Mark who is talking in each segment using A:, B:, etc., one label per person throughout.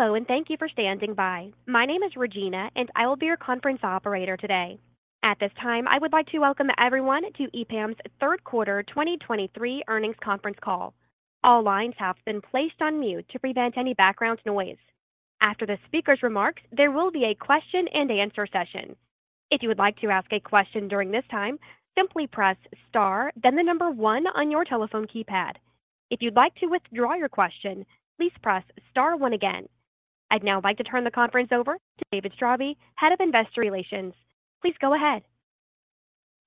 A: Hello, and thank you for standing by. My name is Regina, and I will be your conference operator today. At this time, I would like to welcome everyone to EPAM's Third Quarter 2023 Earnings Conference Call. All lines have been placed on mute to prevent any background noise. After the speaker's remarks, there will be a question and answer session. If you would like to ask a question during this time, simply press star, then the number one on your telephone keypad. If you'd like to withdraw your question, please press star one again. I'd now like to turn the conference over to David Straube, Head of Investor Relations. Please go ahead.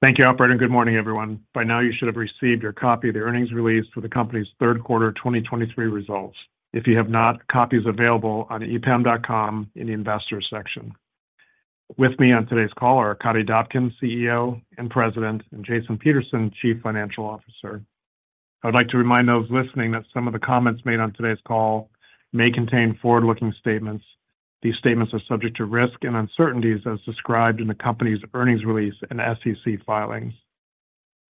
B: Thank you, operator, and good morning, everyone. By now, you should have received your copy of the earnings release for the company's third quarter 2023 results. If you have not, copy is available on epam.com in the Investors section. With me on today's call are Arkadiy Dobkin, CEO and President, and Jason Peterson, Chief Financial Officer. I would like to remind those listening that some of the comments made on today's call may contain forward-looking statements. These statements are subject to risks and uncertainties as described in the company's earnings release and SEC filings.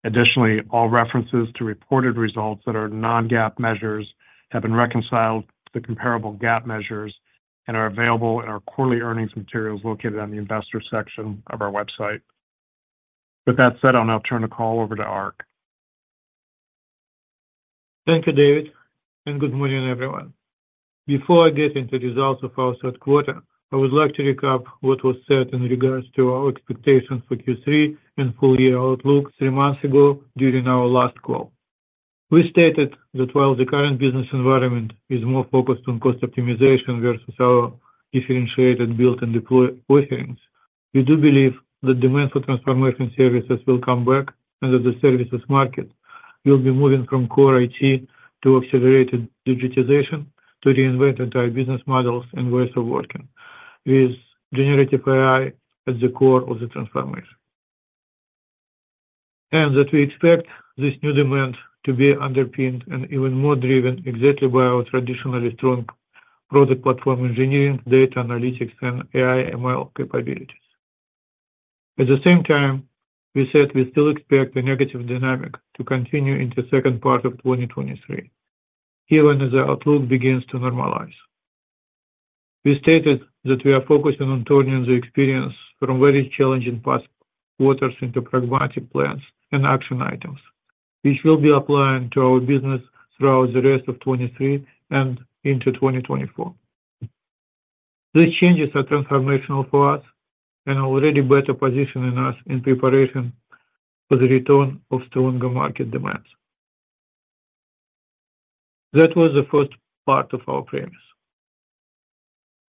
B: Additionally, all references to reported results that are non-GAAP measures have been reconciled to comparable GAAP measures and are available in our quarterly earnings materials located on the Investors section of our website. With that said, I'll now turn the call over to Ark.
C: Thank you, David, and good morning, everyone. Before I get into the results of our third quarter, I would like to recap what was said in regards to our expectations for Q3 and full year outlook three months ago during our last call. We stated that while the current business environment is more focused on cost optimization versus our differentiated build and deploy offerings, we do believe the demand for transformation services will come back and that the services market will be moving from core IT to accelerated digitization to reinvent entire business models and ways of working, with generative AI at the core of the transformation. And that we expect this new demand to be underpinned and even more driven exactly by our traditionally strong product platform, engineering, data analytics, and AI/ML capabilities. At the same time, we said we still expect the negative dynamic to continue into the second part of 2023, even as the outlook begins to normalize. We stated that we are focusing on turning the experience from very challenging past quarters into pragmatic plans and action items, which will be applying to our business throughout the rest of 2023 and into 2024. The changes are transformational for us and already better positioning us in preparation for the return of stronger market demands. That was the first part of our premise.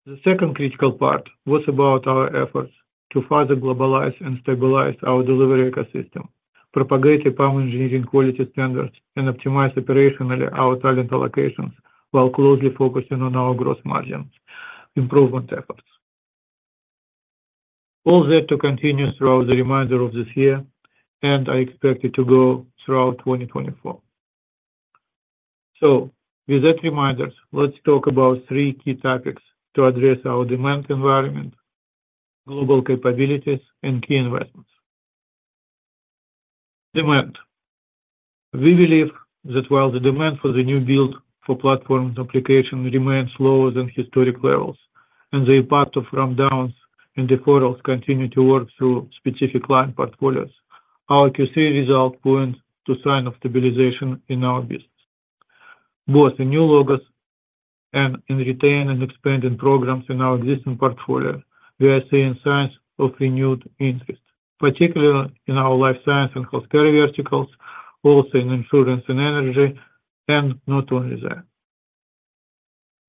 C: The second critical part was about our efforts to further globalize and stabilize our delivery ecosystem, propagate EPAM engineering quality standards, and optimize operationally our talent allocations while closely focusing on our growth margins improvement efforts. All that to continue throughout the remainder of this year, and I expect it to go throughout 2024. With that reminder, let's talk about three key topics to address our demand environment, global capabilities, and key investments. Demand. We believe that while the demand for the new build for platforms application remains lower than historic levels, and the impact of rundowns and deferrals continue to work through specific client portfolios, our Q3 result points to signs of stabilization in our business. Both in new logos and in retained and expanded programs in our existing portfolio, we are seeing signs of renewed interest, particularly in our life science and healthcare verticals, also in insurance and energy, and not only that.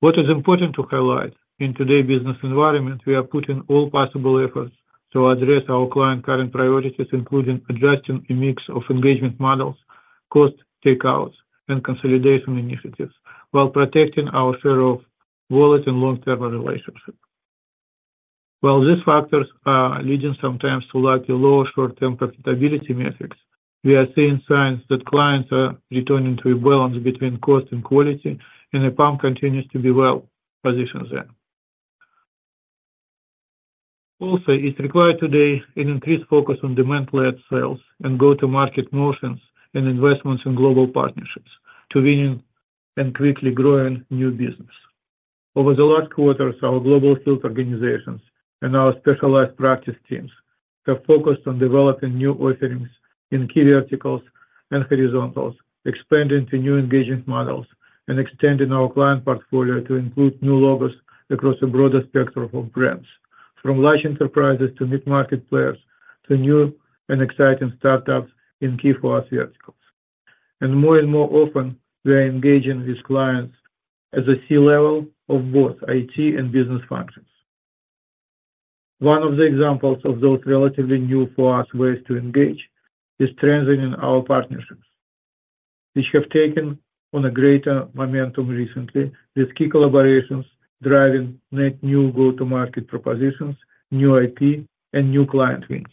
C: What is important to highlight, in today's business environment, we are putting all possible efforts to address our clients' current priorities, including adjusting a mix of engagement models, cost takeouts, and consolidation initiatives, while protecting our share of wallet and long-term relationships. While these factors are leading sometimes to likely lower short-term profitability metrics, we are seeing signs that clients are returning to a balance between cost and quality, and EPAM continues to be well positioned there. Also, it's required today an increased focus on demand-led sales and go-to-market motions and investments in global partnerships to winning and quickly growing new business. Over the last quarters, our global sales organizations and our specialized practice teams have focused on developing new offerings in key verticals and horizontals, expanding to new engagement models, and extending our client portfolio to include new logos across a broader spectrum of brands, from large enterprises to mid-market players, to new and exciting startups in key for us verticals. More and more often, we are engaging with clients at the C-level of both IT and business functions. One of the examples of those relatively new for us ways to engage is trends in our partnerships, which have taken on a greater momentum recently, with key collaborations driving net new go-to-market propositions, new IP, and new client wins.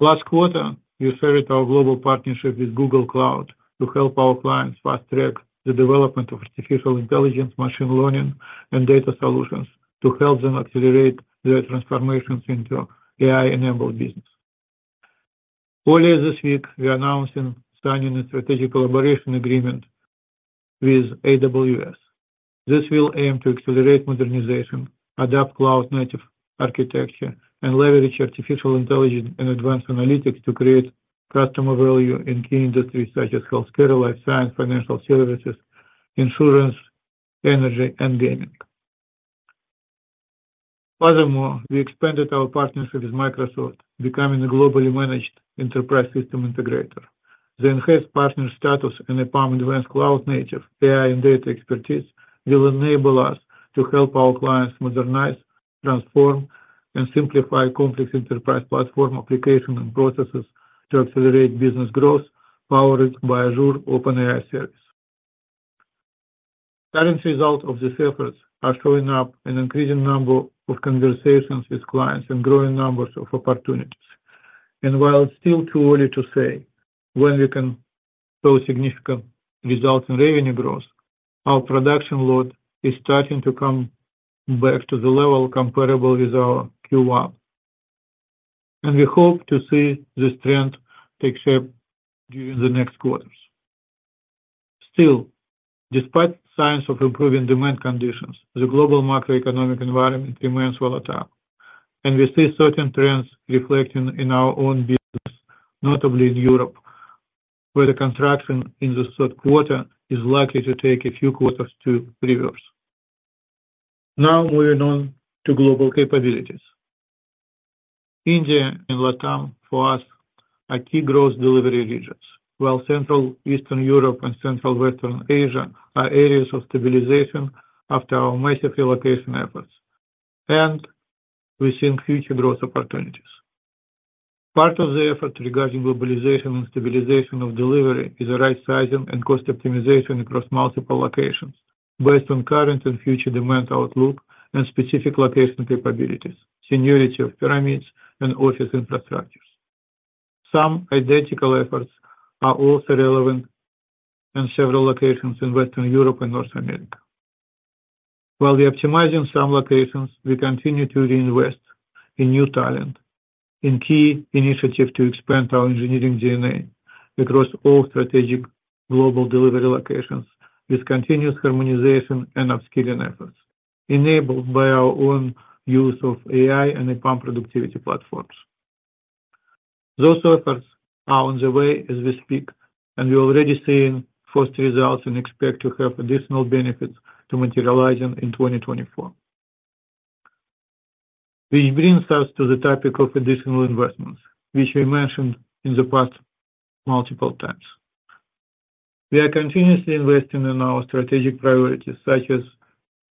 C: Last quarter, we started our global partnership with Google Cloud to help our clients fast-track the development of artificial intelligence, machine learning, and data solutions to help them accelerate their transformations into AI-enabled business. Earlier this week, we are announcing signing a strategic collaboration agreement with AWS. This will aim to accelerate modernization, adapt cloud-native architecture, and leverage artificial intelligence and advanced analytics to create customer value in key industries such as healthcare, life science, financial services, insurance, energy, and gaming. Furthermore, we expanded our partnership with Microsoft, becoming a globally managed enterprise system integrator. The enhanced partner status and EPAM advanced cloud-native AI and data expertise will enable us to help our clients modernize, transform, and simplify complex enterprise platform application and processes to accelerate business growth, powered by Azure OpenAI Service. Current results of these efforts are showing up an increasing number of conversations with clients and growing numbers of opportunities. While it's still too early to say when we can show significant results in revenue growth, our production load is starting to come back to the level comparable with our Q1, and we hope to see this trend take shape during the next quarters. Still, despite signs of improving demand conditions, the global macroeconomic environment remains volatile, and we see certain trends reflecting in our own business, notably in Europe, where the contraction in the third quarter is likely to take a few quarters to reverse. Now, moving on to global capabilities. India and LATAM for us are key growth delivery regions, while Central Eastern Europe and Central Western Asia are areas of stabilization after our massive relocation efforts, and we see future growth opportunities. Part of the effort regarding globalization and stabilization of delivery is the right sizing and cost optimization across multiple locations based on current and future demand outlook and specific location capabilities, seniority of pyramids and office infrastructures. Some identical efforts are also relevant in several locations in Western Europe and North America. While we are optimizing some locations, we continue to reinvest in new talent, in key initiatives to expand our engineering DNA across all strategic global delivery locations with continuous harmonization and upskilling efforts, enabled by our own use of AI and EPAM productivity platforms. Those efforts are on the way as we speak, and we are already seeing first results and expect to have additional benefits to materialize in 2024. Which brings us to the topic of additional investments, which we mentioned in the past multiple times. We are continuously investing in our strategic priorities, such as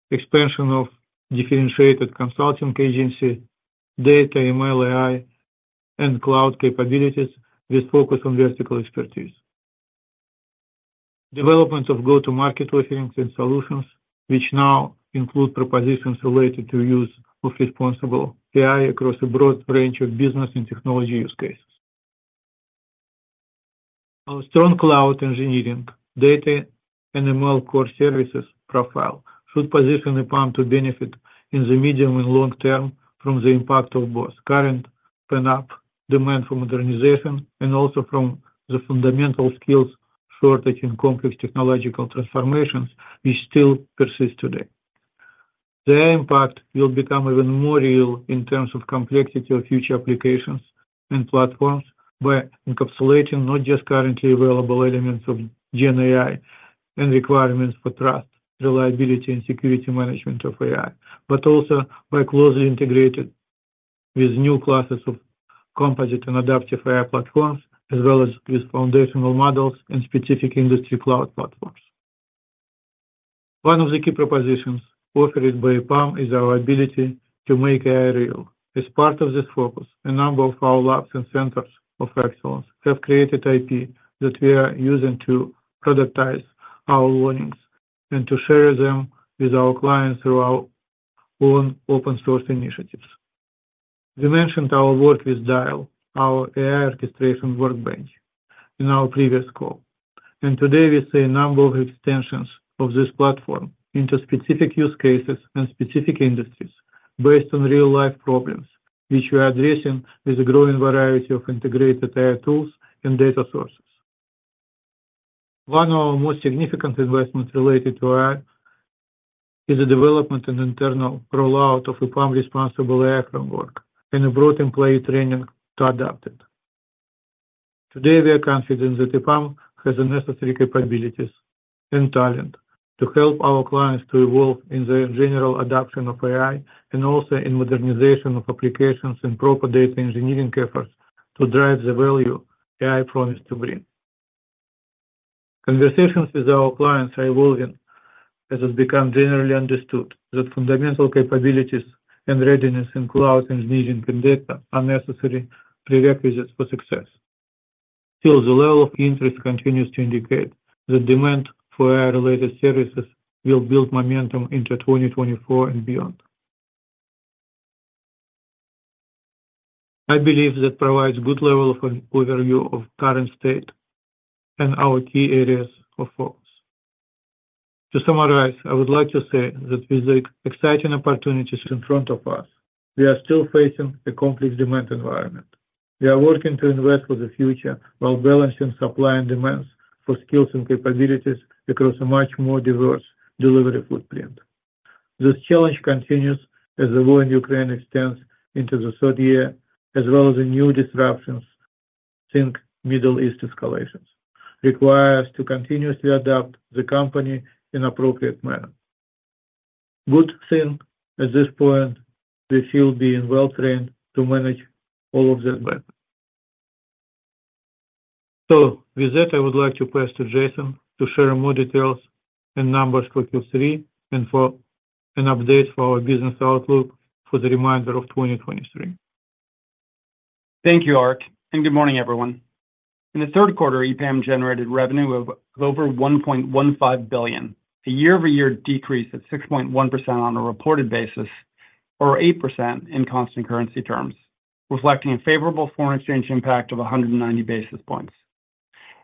C: expansion of differentiated consulting agency, data, ML, AI, and cloud capabilities, with focus on vertical expertise. Development of go-to-market offerings and solutions, which now include propositions related to use of responsible AI across a broad range of business and technology use cases. Our strong cloud engineering, data and ML core services profile should position EPAM to benefit in the medium and long term from the impact of both current pent-up demand for modernization, and also from the fundamental skills shortage in complex technological transformations which still persist today. The impact will become even more real in terms of complexity of future applications and platforms, by encapsulating not just currently available elements of GenAI and requirements for trust, reliability, and security management of AI, but also by closely integrated with new classes of composite and adaptive AI platforms, as well as with foundational models and specific industry cloud platforms. One of the key propositions offered by EPAM is our ability to make AI real. As part of this focus, a number of our labs and centers of excellence have created IP that we are using to productize our learnings and to share them with our clients through our own open source initiatives. We mentioned our work with DIAL, our AI orchestration workbench, in our previous call, and today we see a number of extensions of this platform into specific use cases and specific industries based on real-life problems, which we are addressing with a growing variety of integrated AI tools and data sources. One of our most significant investments related to AI is the development and internal rollout of EPAM Responsible AI Framework and a broad employee training to adopt it. Today, we are confident that EPAM has the necessary capabilities and talent to help our clients to evolve in the general adoption of AI, and also in modernization of applications and proper data engineering efforts to drive the value AI promise to bring. Conversations with our clients are evolving as it become generally understood that fundamental capabilities and readiness in cloud engineering and data are necessary prerequisites for success. Still, the level of interest continues to indicate that demand for AI-related services will build momentum into 2024 and beyond. I believe that provides good level of overview of current state and our key areas of focus. To summarize, I would like to say that with the exciting opportunities in front of us, we are still facing a complex demand environment. We are working to invest for the future while balancing supply and demands for skills and capabilities across a much more diverse delivery footprint. This challenge continues as the war in Ukraine extends into the third year, as well as the new disruptions, think Middle East escalations, require us to continuously adapt the company in appropriate manner. Good thing at this point, we feel being well-trained to manage all of that well. So with that, I would like to pass to Jason to share more details and numbers for Q3 and for an update for our business outlook for the remainder of 2023.
D: Thank you, Ark, and good morning, everyone. In the third quarter, EPAM generated revenue of over $1.15 billion, a year-over-year decrease of 6.1% on a reported basis, or 8% in constant currency terms, reflecting a favorable foreign exchange impact of 190 basis points.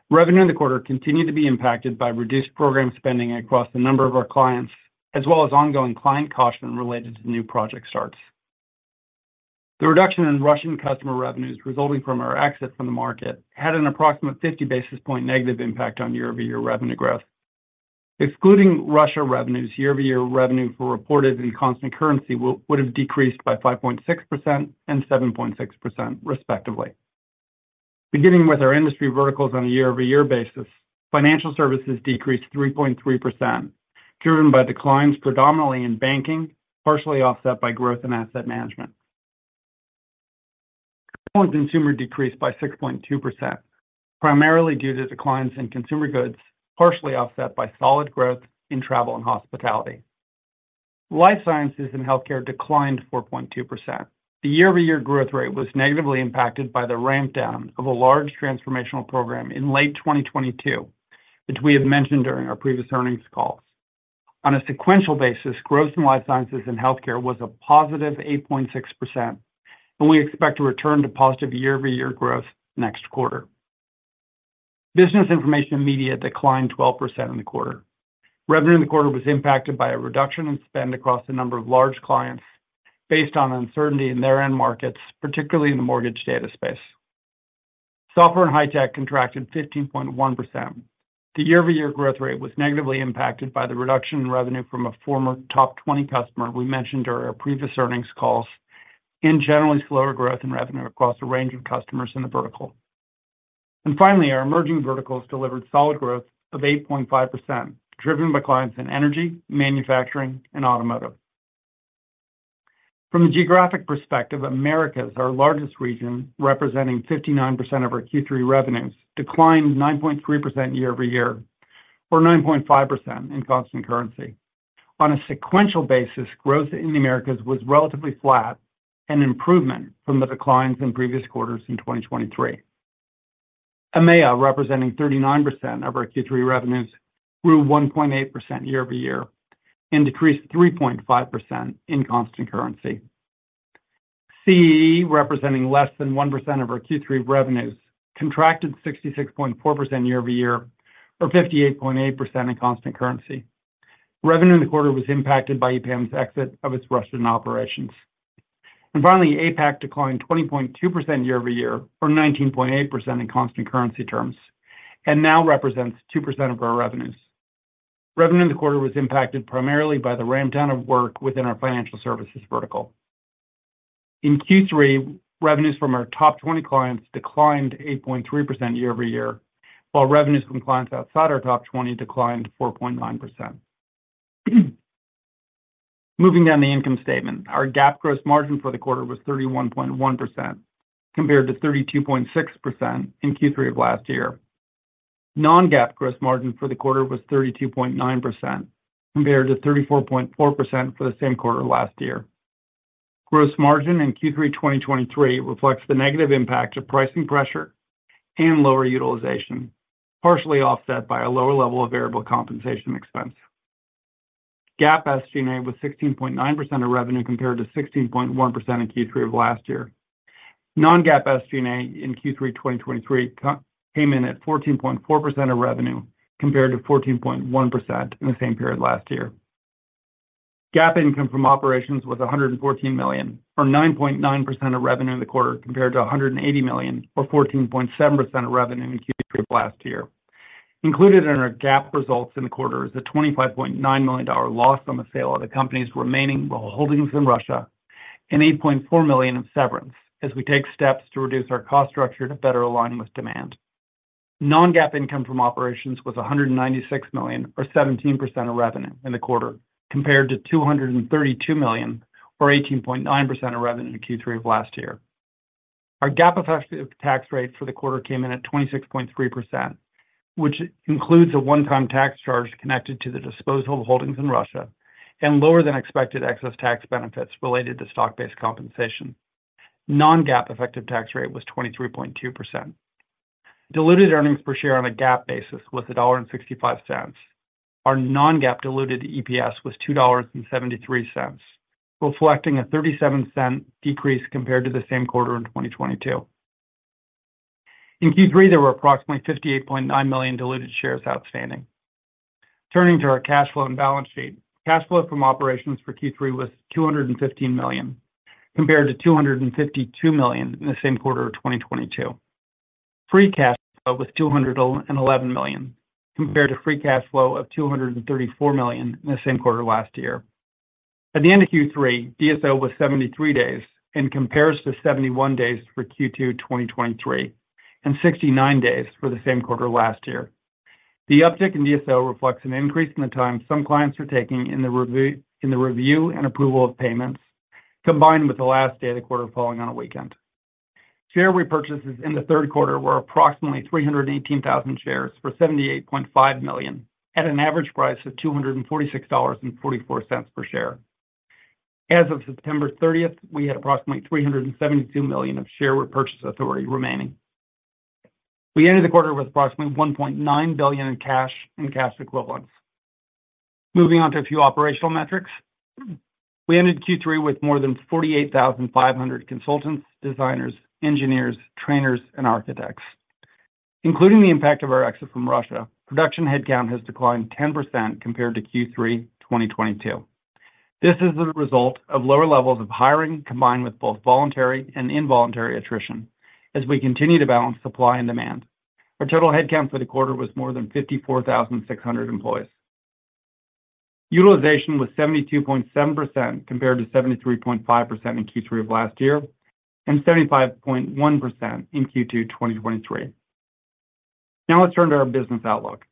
D: Revenue in the quarter continued to be impacted by reduced program spending across a number of our clients, as well as ongoing client caution related to new project starts. The reduction in Russian customer revenues resulting from our exit from the market had an approximate 50 basis points negative impact on year-over-year revenue growth. Excluding Russia revenues, year-over-year revenue for reported and constant currency would have decreased by 5.6% and 7.6% respectively. Beginning with our industry verticals on a year-over-year basis, financial services decreased 3.3%, driven by declines predominantly in banking, partially offset by growth in asset management. Consumer decreased by 6.2%, primarily due to declines in consumer goods, partially offset by solid growth in travel and hospitality. Life sciences and healthcare declined 4.2%. The year-over-year growth rate was negatively impacted by the ramp down of a large transformational program in late 2022, which we have mentioned during our previous earnings calls. On a sequential basis, growth in life sciences and healthcare was a positive 8.6%, and we expect to return to positive year-over-year growth next quarter. Business information media declined 12% in the quarter. Revenue in the quarter was impacted by a reduction in spend across a number of large clients based on uncertainty in their end markets, particularly in the mortgage data space. Software and high tech contracted 15.1%. The year-over-year growth rate was negatively impacted by the reduction in revenue from a former top twenty customer we mentioned during our previous earnings calls, and generally slower growth in revenue across a range of customers in the vertical. Finally, our emerging verticals delivered solid growth of 8.5%, driven by clients in energy, manufacturing, and automotive. From a geographic perspective, Americas, our largest region, representing 59% of our Q3 revenues, declined 9.3% year-over-year, or 9.5% in constant currency. On a sequential basis, growth in the Americas was relatively flat, an improvement from the declines in previous quarters in 2023. EMEA, representing 39% of our Q3 revenues, grew 1.8% year-over-year and decreased 3.5% in constant currency. CEE, representing less than 1% of our Q3 revenues, contracted 66.4% year-over-year, or 58.8% in constant currency. Revenue in the quarter was impacted by EPAM's exit of its Russian operations. And finally, APAC declined 20.2% year-over-year, or 19.8% in constant currency terms, and now represents 2% of our revenues. Revenue in the quarter was impacted primarily by the ramp down of work within our financial services vertical. In Q3, revenues from our top 20 clients declined 8.3% year-over-year, while revenues from clients outside our top 20 declined 4.9%. Moving down the income statement, our GAAP gross margin for the quarter was 31.1%, compared to 32.6% in Q3 of last year. Non-GAAP gross margin for the quarter was 32.9%, compared to 34.4% for the same quarter last year. Gross margin in Q3 2023 reflects the negative impact of pricing pressure and lower utilization, partially offset by a lower level of variable compensation expense. GAAP SG&A was 16.9% of revenue, compared to 16.1% in Q3 of last year. Non-GAAP SG&A in Q3 2023 came in at 14.4% of revenue, compared to 14.1% in the same period last year. GAAP income from operations was $114 million, or 9.9% of revenue in the quarter, compared to $180 million, or 14.7% of revenue in Q3 of last year. Included in our GAAP results in the quarter is a $25.9 million loss on the sale of the company's remaining holdings in Russia and $8.4 million in severance, as we take steps to reduce our cost structure to better align with demand. Non-GAAP income from operations was $196 million, or 17% of revenue in the quarter, compared to $232 million, or 18.9% of revenue in Q3 of last year. Our GAAP effective tax rate for the quarter came in at 26.3%, which includes a one-time tax charge connected to the disposal of holdings in Russia and lower than expected excess tax benefits related to stock-based compensation. Non-GAAP effective tax rate was 23.2%. Diluted earnings per share on a GAAP basis was $1.65. Our non-GAAP diluted EPS was $2.73, reflecting a $0.37 decrease compared to the same quarter in 2022. In Q3, there were approximately 58.9 million diluted shares outstanding. Turning to our cash flow and balance sheet. Cash flow from operations for Q3 was $215 million, compared to $252 million in the same quarter of 2022. Free cash flow was $211 million, compared to free cash flow of $234 million in the same quarter last year. At the end of Q3, DSO was 73 days and compares to 71 days for Q2 2023, and 69 days for the same quarter last year. The uptick in DSO reflects an increase in the time some clients are taking in the review and approval of payments, combined with the last day of the quarter falling on a weekend. Share repurchases in the third quarter were approximately 318,000 shares for $78.5 million, at an average price of $246.44 per share. As of September 30, we had approximately $372 million of share repurchase authority remaining. We ended the quarter with approximately $1.9 billion in cash and cash equivalents. Moving on to a few operational metrics. We ended Q3 with more than 48,500 consultants, designers, engineers, trainers, and architects. Including the impact of our exit from Russia, production headcount has declined 10% compared to Q3 2022. This is the result of lower levels of hiring, combined with both voluntary and involuntary attrition, as we continue to balance supply and demand. Our total headcount for the quarter was more than 54,600 employees. Utilization was 72.7%, compared to 73.5% in Q3 of last year, and 75.1% in Q2 2023. Now let's turn to our business outlook.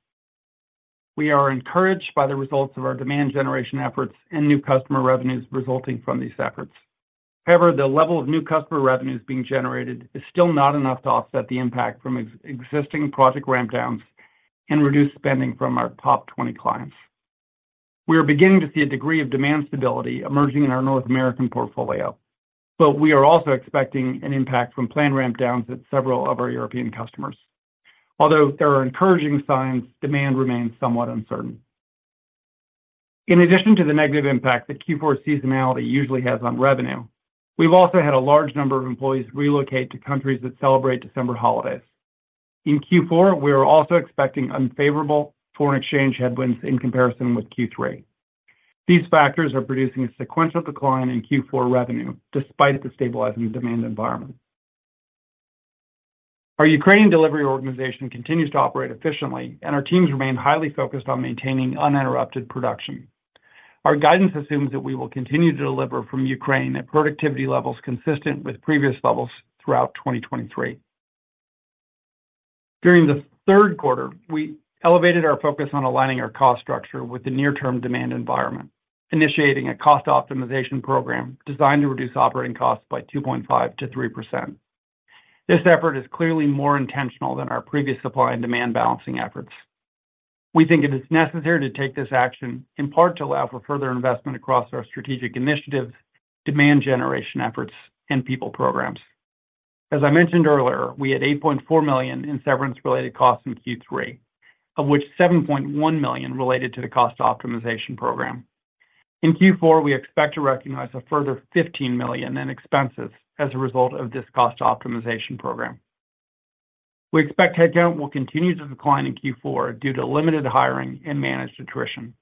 D: We are encouraged by the results of our demand generation efforts and new customer revenues resulting from these efforts. However, the level of new customer revenues being generated is still not enough to offset the impact from existing project ramp downs and reduce spending from our top 20 clients. We are beginning to see a degree of demand stability emerging in our North American portfolio, but we are also expecting an impact from planned ramp downs at several of our European customers. Although there are encouraging signs, demand remains somewhat uncertain. In addition to the negative impact that Q4 seasonality usually has on revenue, we've also had a large number of employees relocate to countries that celebrate December holidays. In Q4, we are also expecting unfavorable foreign exchange headwinds in comparison with Q3. These factors are producing a sequential decline in Q4 revenue, despite the stabilizing demand environment. Our Ukrainian delivery organization continues to operate efficiently, and our teams remain highly focused on maintaining uninterrupted production. Our guidance assumes that we will continue to deliver from Ukraine at productivity levels consistent with previous levels throughout 2023. During the third quarter, we elevated our focus on aligning our cost structure with the near-term demand environment, initiating a cost optimization program designed to reduce operating costs by 2.5%-3%. This effort is clearly more intentional than our previous supply and demand balancing efforts. We think it is necessary to take this action, in part, to allow for further investment across our strategic initiatives, demand generation efforts, and people programs. As I mentioned earlier, we had $8.4 million in severance-related costs in Q3, of which $7.1 million related to the cost optimization program. In Q4, we expect to recognize a further $15 million in expenses as a result of this cost optimization program. We expect headcount will continue to decline in Q4 due to limited hiring and managed attrition,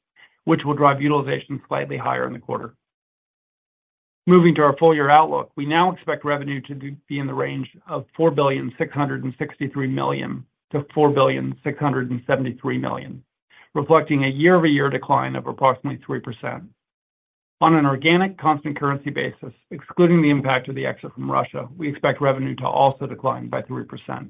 D: which will drive utilization slightly higher in the quarter. Moving to our full-year outlook, we now expect revenue to be in the range of $4.663 billion-$4.673 billion, reflecting a year-over-year decline of approximately 3%. On an organic, constant currency basis, excluding the impact of the exit from Russia, we expect revenue to also decline by 3%.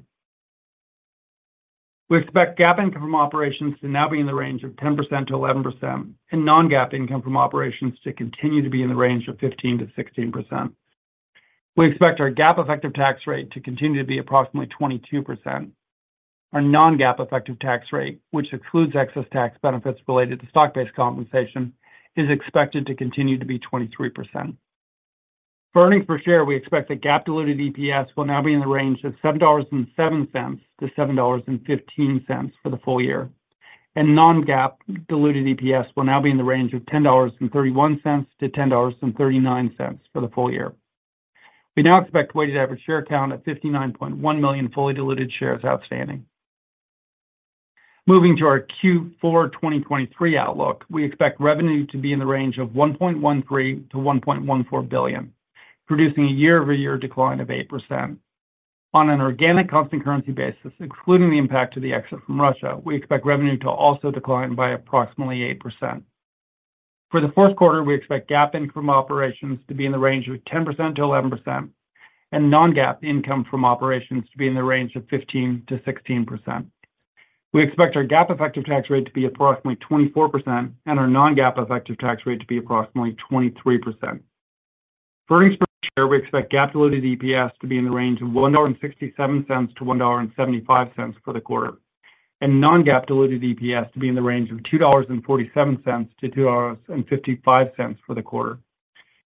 D: We expect GAAP income from operations to now be in the range of 10%-11%, and non-GAAP income from operations to continue to be in the range of 15%-16%. We expect our GAAP effective tax rate to continue to be approximately 22%. Our non-GAAP effective tax rate, which excludes excess tax benefits related to stock-based compensation, is expected to continue to be 23%. For earnings per share, we expect that GAAP diluted EPS will now be in the range of $7.07-$7.15 for the full year, and non-GAAP diluted EPS will now be in the range of $10.31-$10.39 for the full year. We now expect weighted average share count at 59.1 million fully diluted shares outstanding. Moving to our Q4 2023 outlook, we expect revenue to be in the range of $1.13 billion-$1.14 billion, producing a year-over-year decline of 8%. On an organic, constant currency basis, excluding the impact of the exit from Russia, we expect revenue to also decline by approximately 8%. For the fourth quarter, we expect GAAP income from operations to be in the range of 10%-11%, and non-GAAP income from operations to be in the range of 15%-16%. We expect our GAAP effective tax rate to be approximately 24%, and our non-GAAP effective tax rate to be approximately 23%. For earnings per share, we expect GAAP diluted EPS to be in the range of $1.67-$1.75 for the quarter, and non-GAAP diluted EPS to be in the range of $2.47-$2.55 for the quarter.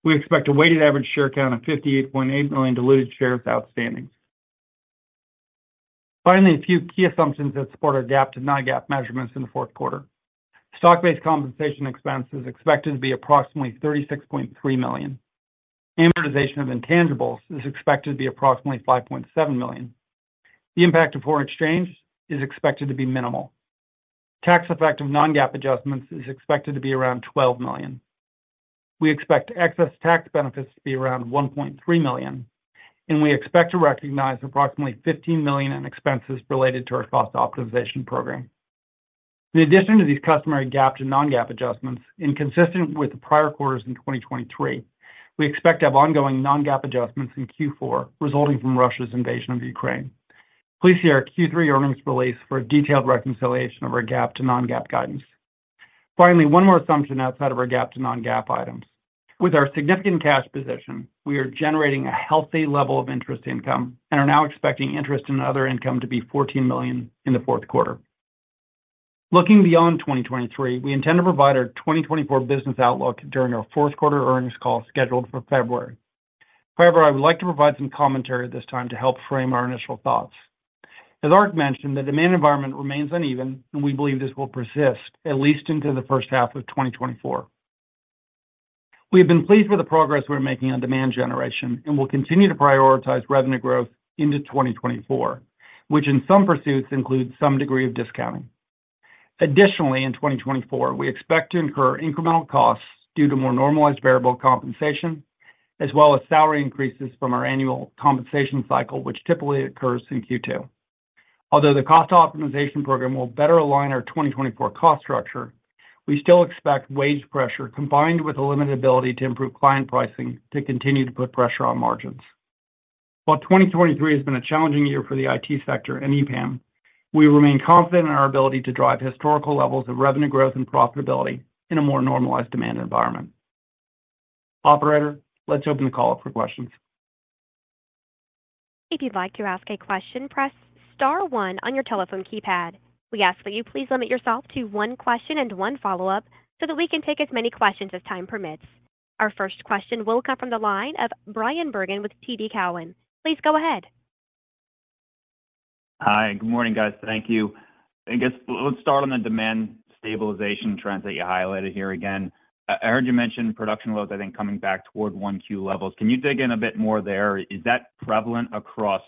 D: We expect a weighted average share count of 58.8 million diluted shares outstanding. Finally, a few key assumptions that support our GAAP to non-GAAP measurements in the fourth quarter. Stock-based compensation expense is expected to be approximately $36.3 million. Amortization of intangibles is expected to be approximately $5.7 million. The impact of foreign exchange is expected to be minimal. Tax effect of non-GAAP adjustments is expected to be around $12 million. We expect excess tax benefits to be around $1.3 million, and we expect to recognize approximately $15 million in expenses related to our cost optimization program. In addition to these customary GAAP to non-GAAP adjustments, inconsistent with the prior quarters in 2023, we expect to have ongoing non-GAAP adjustments in Q4, resulting from Russia's invasion of Ukraine. Please see our Q3 earnings release for a detailed reconciliation of our GAAP to non-GAAP guidance. Finally, one more assumption outside of our GAAP to non-GAAP items. With our significant cash position, we are generating a healthy level of interest income and are now expecting interest in other income to be $14 million in the fourth quarter. Looking beyond 2023, we intend to provide our 2024 business outlook during our fourth quarter earnings call, scheduled for February. However, I would like to provide some commentary at this time to help frame our initial thoughts. As Ark mentioned, the demand environment remains uneven, and we believe this will persist at least into the first half of 2024. We've been pleased with the progress we're making on demand generation and will continue to prioritize revenue growth into 2024, which in some pursuits includes some degree of discounting. Additionally, in 2024, we expect to incur incremental costs due to more normalized variable compensation, as well as salary increases from our annual compensation cycle, which typically occurs in Q2. Although the cost optimization program will better align our 2024 cost structure, we still expect wage pressure, combined with a limited ability to improve client pricing, to continue to put pressure on margins. While 2023 has been a challenging year for the IT sector and EPAM, we remain confident in our ability to drive historical levels of revenue growth and profitability in a more normalized demand environment. Operator, let's open the call up for questions.
A: If you'd like to ask a question, press star one on your telephone keypad. We ask that you please limit yourself to one question and one follow-up so that we can take as many questions as time permits. Our first question will come from the line of Bryan Bergin with TD Cowen. Please go ahead.
E: Hi, good morning, guys. Thank you. I guess let's start on the demand stabilization trends that you highlighted here again. I, I heard you mention production loads, I think, coming back toward 1Q levels. Can you dig in a bit more there? Is that prevalent across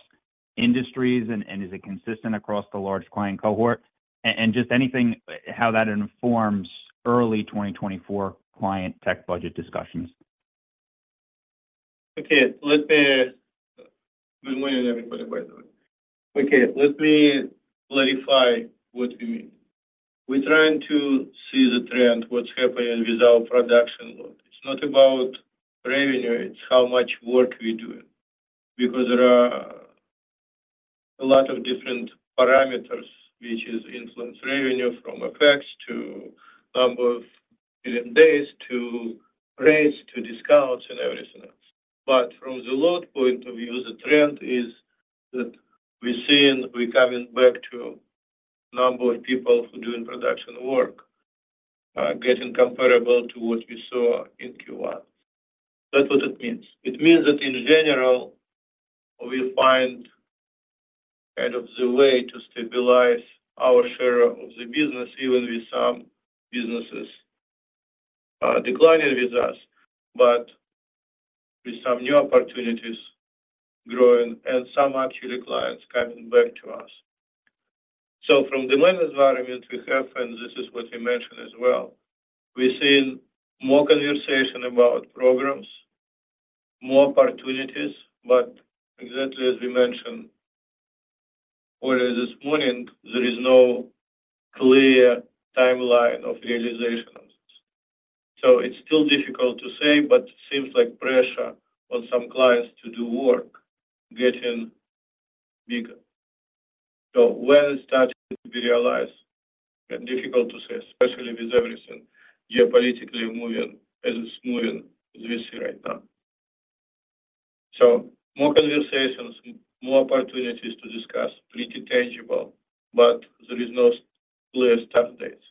E: industries, and, and is it consistent across the large client cohort? And, and just anything, how that informs early 2024 client tech budget discussions.
C: Okay, let me... Good morning, everybody, by the way. Okay, let me clarify what we mean. We're trying to see the trend, what's happening with our production load. It's not about revenue, it's how much work we're doing, because there are a lot of different parameters which is influence revenue, from effects to number of billable days, to rates, to discounts and everything else. But from the load point of view, the trend is that we're seeing, we're coming back to number of people who doing production work, getting comparable to what we saw in Q1. That's what it means. It means that in general, we find kind of the way to stabilize our share of the business, even with some businesses, declining with us, but with some new opportunities growing and some actually clients coming back to us. So from demand environment we have, and this is what you mentioned as well, we're seeing more conversation about programs, more opportunities, but exactly as we mentioned earlier this morning, there is no clear timeline of realization on this. So it's still difficult to say, but it seems like pressure on some clients to do work getting bigger. So when it's starting to be realized and difficult to say, especially with everything geopolitically moving as it's moving, we see right now. So more conversations, more opportunities to discuss, pretty tangible, but there is no clear start dates.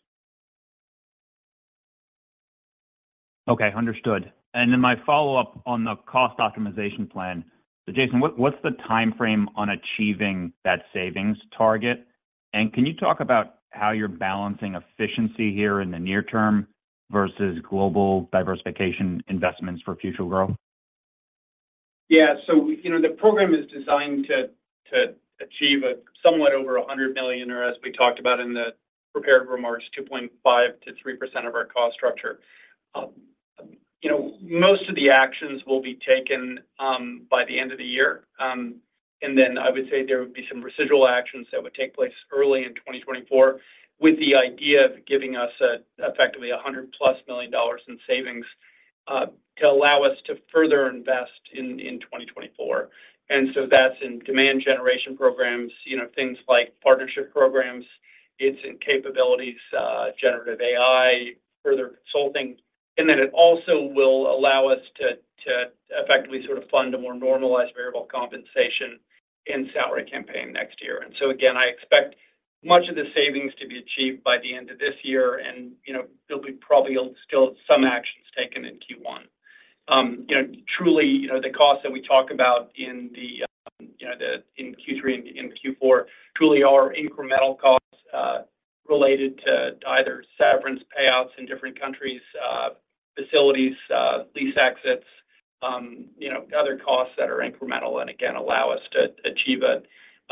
E: Okay, understood. And then my follow-up on the cost optimization plan. So Jason, what, what's the timeframe on achieving that savings target? And can you talk about how you're balancing efficiency here in the near term versus global diversification investments for future growth?
D: Yeah. So you know, the program is designed to achieve somewhat over $100 million, or as we talked about in the prepared remarks, 2.5%-3% of our cost structure. You know, most of the actions will be taken by the end of the year. And then I would say there would be some residual actions that would take place early in 2024, with the idea of giving us effectively $100+ million in savings to allow us to further invest in 2024. And so that's in demand generation programs, you know, things like partnership programs, it's in capabilities, generative AI, further consulting. And then it also will allow us to effectively sort of fund a more normalized variable compensation and salary campaign next year. And so again, I expect much of the savings to be achieved by the end of this year. And, you know, there'll be probably still some actions taken in Q1. You know, truly, you know, the costs that we talk about in the-... you know, the in Q3 and in Q4 truly are incremental costs related to either severance payouts in different countries, facilities, lease exits, you know, other costs that are incremental and again allow us to achieve a,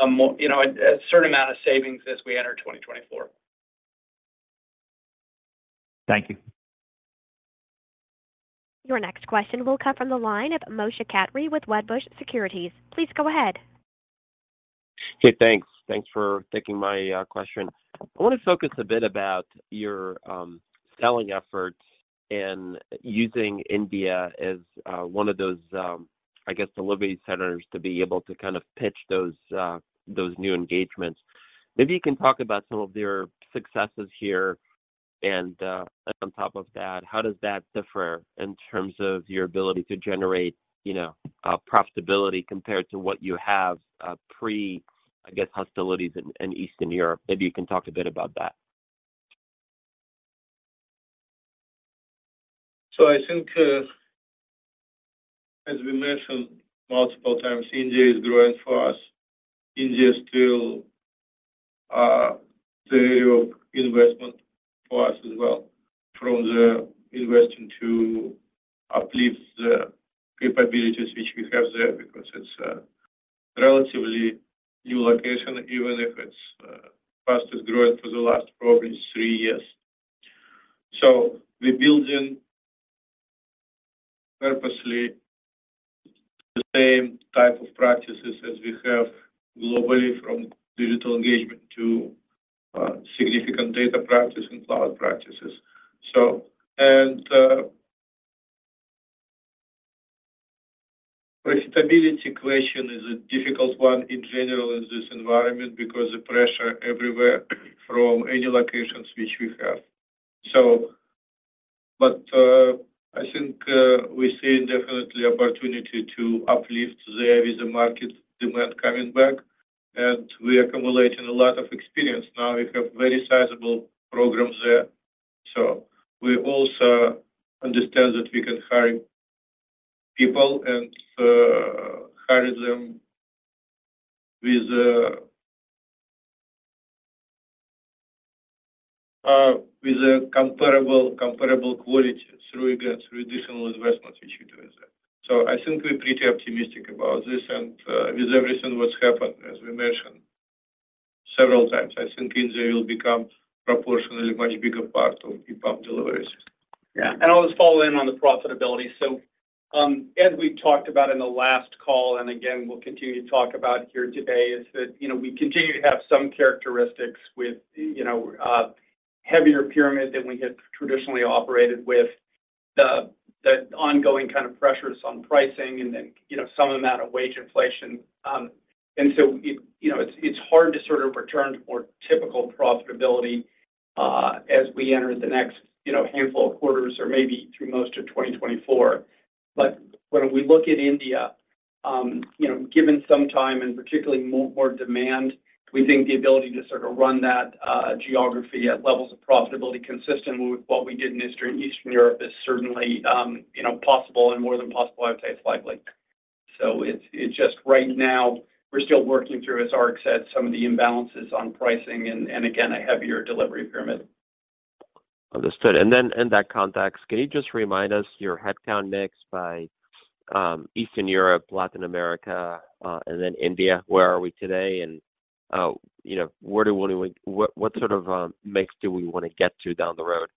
D: a more, you know, a, a certain amount of savings as we enter 2024. Thank you.
A: Your next question will come from the line of Moshe Katri with Wedbush Securities. Please go ahead.
F: Hey, thanks. Thanks for taking my question. I want to focus a bit about your selling efforts and using India as one of those, I guess, delivery centers to be able to kind of pitch those those new engagements. Maybe you can talk about some of their successes here. And on top of that, how does that differ in terms of your ability to generate, you know, profitability compared to what you have pre, I guess, hostilities in Eastern Europe? Maybe you can talk a bit about that.
C: So I think, as we mentioned multiple times, India is growing for us. India is still the area of investment for us as well, from the investing to uplift the capabilities which we have there, because it's a relatively new location, even if it's fastest growing for the last probably three years. So we're building purposely the same type of practices as we have globally, from digital engagement to significant data practice and cloud practices. So, and, profitability question is a difficult one in general in this environment, because the pressure everywhere from any locations which we have. So but, I think, we see definitely opportunity to uplift there with the market demand coming back, and we are accumulating a lot of experience now. We have very sizable programs there. So we also understand that we can hire people and hire them with with a comparable, comparable quality through, again, through additional investments, which we do is there. So I think we're pretty optimistic about this. And with everything what's happened, as we mentioned several times, I think India will become proportionally a much bigger part of EPAM deliveries.
D: Yeah, and I'll just follow up on the profitability. So, as we talked about in the last call, and again, we'll continue to talk about here today, is that, you know, we continue to have some characteristics with, you know, heavier pyramid than we had traditionally operated with, the ongoing kind of pressures on pricing and then, you know, some amount of wage inflation. And so, you know, it's hard to sort of return to more typical profitability, as we enter the next, you know, handful of quarters or maybe through most of 2024. But when we look at India, you know, given some time and particularly more, more demand, we think the ability to sort of run that geography at levels of profitability consistent with what we did in Eastern, Eastern Europe is certainly, you know, possible and more than possible, I would say it's likely. So it's, it's just right now, we're still working through, as Ark said, some of the imbalances on pricing and, and again, a heavier delivery pyramid.
F: Understood. And then in that context, can you just remind us your headcount mix by Eastern Europe, Latin America, and then India? Where are we today? And you know, where do we want to—what sort of mix do we want to get to down the road?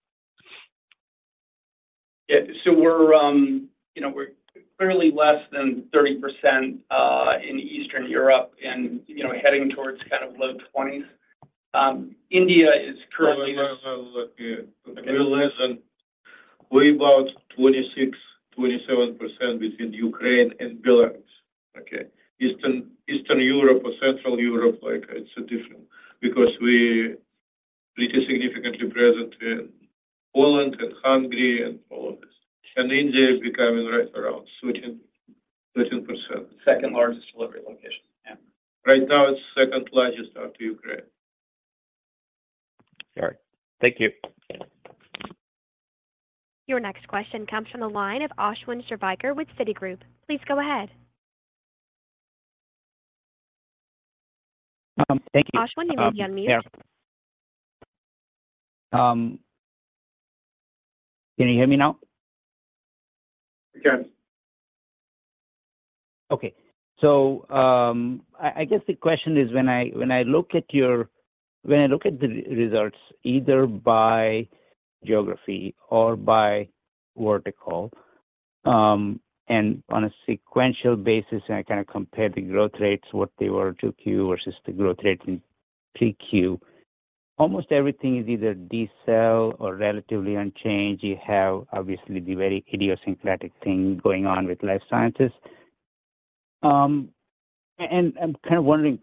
D: Yeah. So we're, you know, we're clearly less than 30% in Eastern Europe and, you know, heading towards kind of low 20s. India is currently-
C: No, no, no. Look here, a little less than... We're about 26-27% between Ukraine and Belarus. Okay? Eastern, Eastern Europe or Central Europe, like it's different because we pretty significantly present in Poland and Hungary and all of this, and India is becoming right around 13, 13%.
D: Second largest delivery location. Yeah.
C: Right now, it's second largest after Ukraine.
F: All right. Thank you.
D: Yeah.
A: Your next question comes from the line of Ashwin Shirvaikar with Citigroup. Please go ahead.
G: Thank you.
A: Ashwin, you may be on mute.
G: Can you hear me now?
C: We can.
G: Okay. So, I guess the question is, when I look at the results, either by geography or by vertical, and on a sequential basis, and I kind of compare the growth rates, what they were 2Q versus the growth rate in 3Q, almost everything is either decel or relatively unchanged. You have obviously the very idiosyncratic thing going on with life sciences. And I'm kind of wondering,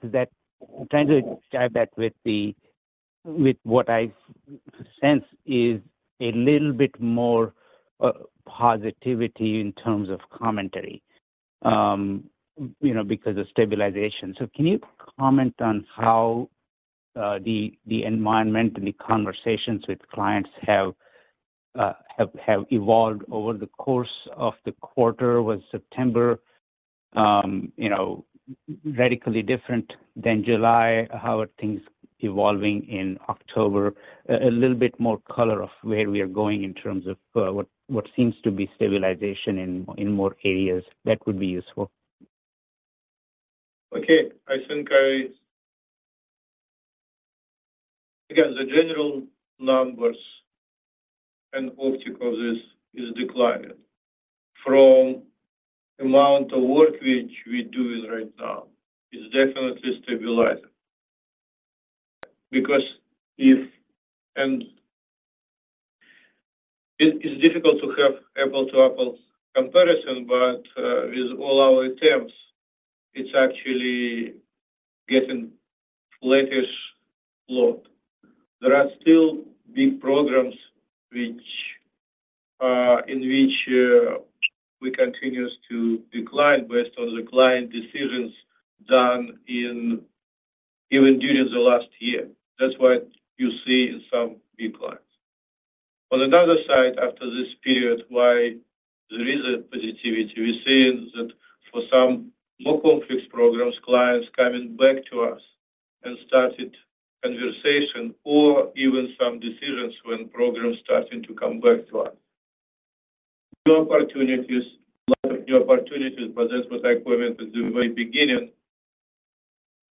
G: trying to jive that with what I sense is a little bit more positivity in terms of commentary, you know, because of stabilization. So can you comment on how the environment and the conversations with clients have evolved over the course of the quarter? Was September, you know, radically different than July? How are things evolving in October? A little bit more color on where we are going in terms of what seems to be stabilization in more areas, that would be useful.
C: Okay. I think again, the general numbers and overall, this is declining. From amount of work which we're doing right now, is definitely stabilizing. Because and it, it's difficult to have apple-to-apple comparison, but, with all our attempts, it's actually getting flattish load. There are still big programs which, in which, we continues to decline based on the client decisions done in, even during the last year. That's why you see some declines. On another side, after this period, why there is a positivity? We're seeing that for some more complex programs, clients coming back to us and started conversation or even some decisions when programs starting to come back to us. New opportunities, lot of new opportunities, but that's what I commented at the very beginning.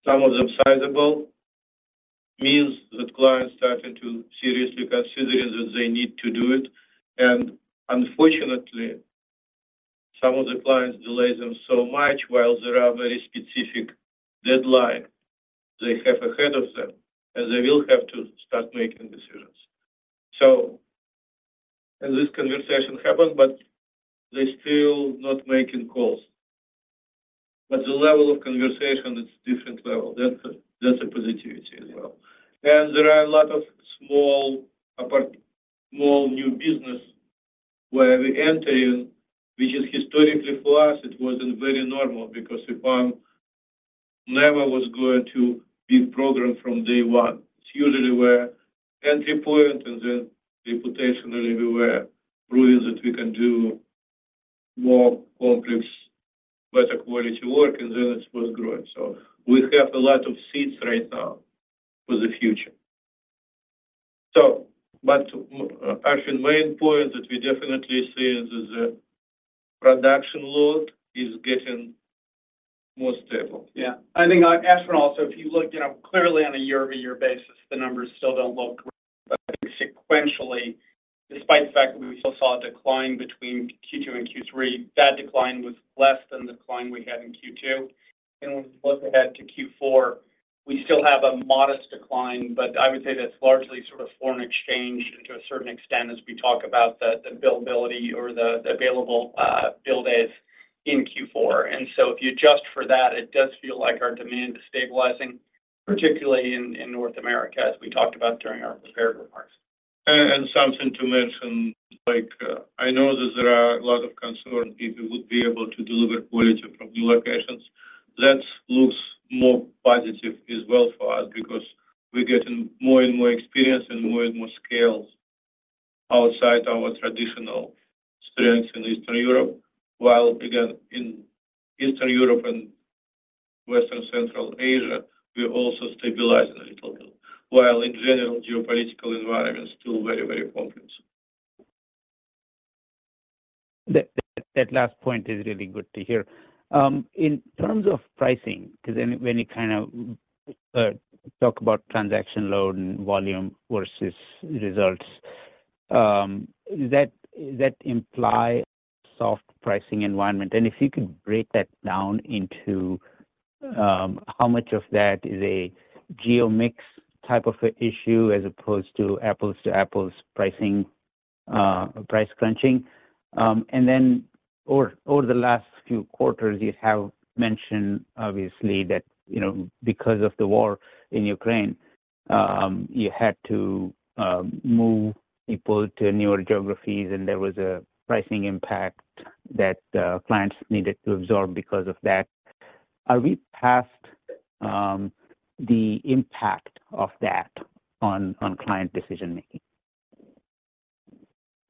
C: Some of them sizable, means that clients starting to seriously considering that they need to do it, and unfortunately, some of the clients delay them so much, while there are very specific deadline they have ahead of them, and they will have to start making decisions. So, and this conversation happened, but they're still not making calls. But the level of conversation, it's different level. That's a, that's a positivity as well. And there are a lot of small new business where we enter in, which is historically for us, it wasn't very normal because EPAM never was going to be program from day one. It's usually where entry point and then reputation, and we were proving that we can do more complex, better quality work, and then it was growing. So we have a lot of seeds right now for the future. I think main point that we definitely see is that the production load is getting more stable.
D: Yeah. I think, Ashwin, also, if you look, you know, clearly on a year-over-year basis, the numbers still don't look great. But I think sequentially, despite the fact that we still saw a decline between Q2 and Q3, that decline was less than the decline we had in Q2. And when we look ahead to Q4, we still have a modest decline, but I would say that's largely sort of foreign exchange and to a certain extent, as we talk about the, the billability or the, the available, bill days in Q4. And so if you adjust for that, it does feel like our demand is stabilizing, particularly in, in North America, as we talked about during our prepared remarks.
C: Something to mention, like, I know that there are a lot of concern if we would be able to deliver quality from new locations. That looks more positive as well for us because we're getting more and more experience and more and more scales outside our traditional strengths in Eastern Europe. While, again, in Eastern Europe and Western Central Asia, we're also stabilizing a little bit, while in general, geopolitical environment is still very, very complex.
G: That last point is really good to hear. In terms of pricing, because then when you kind of talk about transaction load and volume versus results, that implies soft pricing environment. And if you could break that down into how much of that is a geo mix type of an issue as opposed to apples to apples pricing, price crunching. And then over the last few quarters, you have mentioned, obviously, that you know, because of the war in Ukraine, you had to move people to newer geographies, and there was a pricing impact that clients needed to absorb because of that. Are we past the impact of that on client decision-making?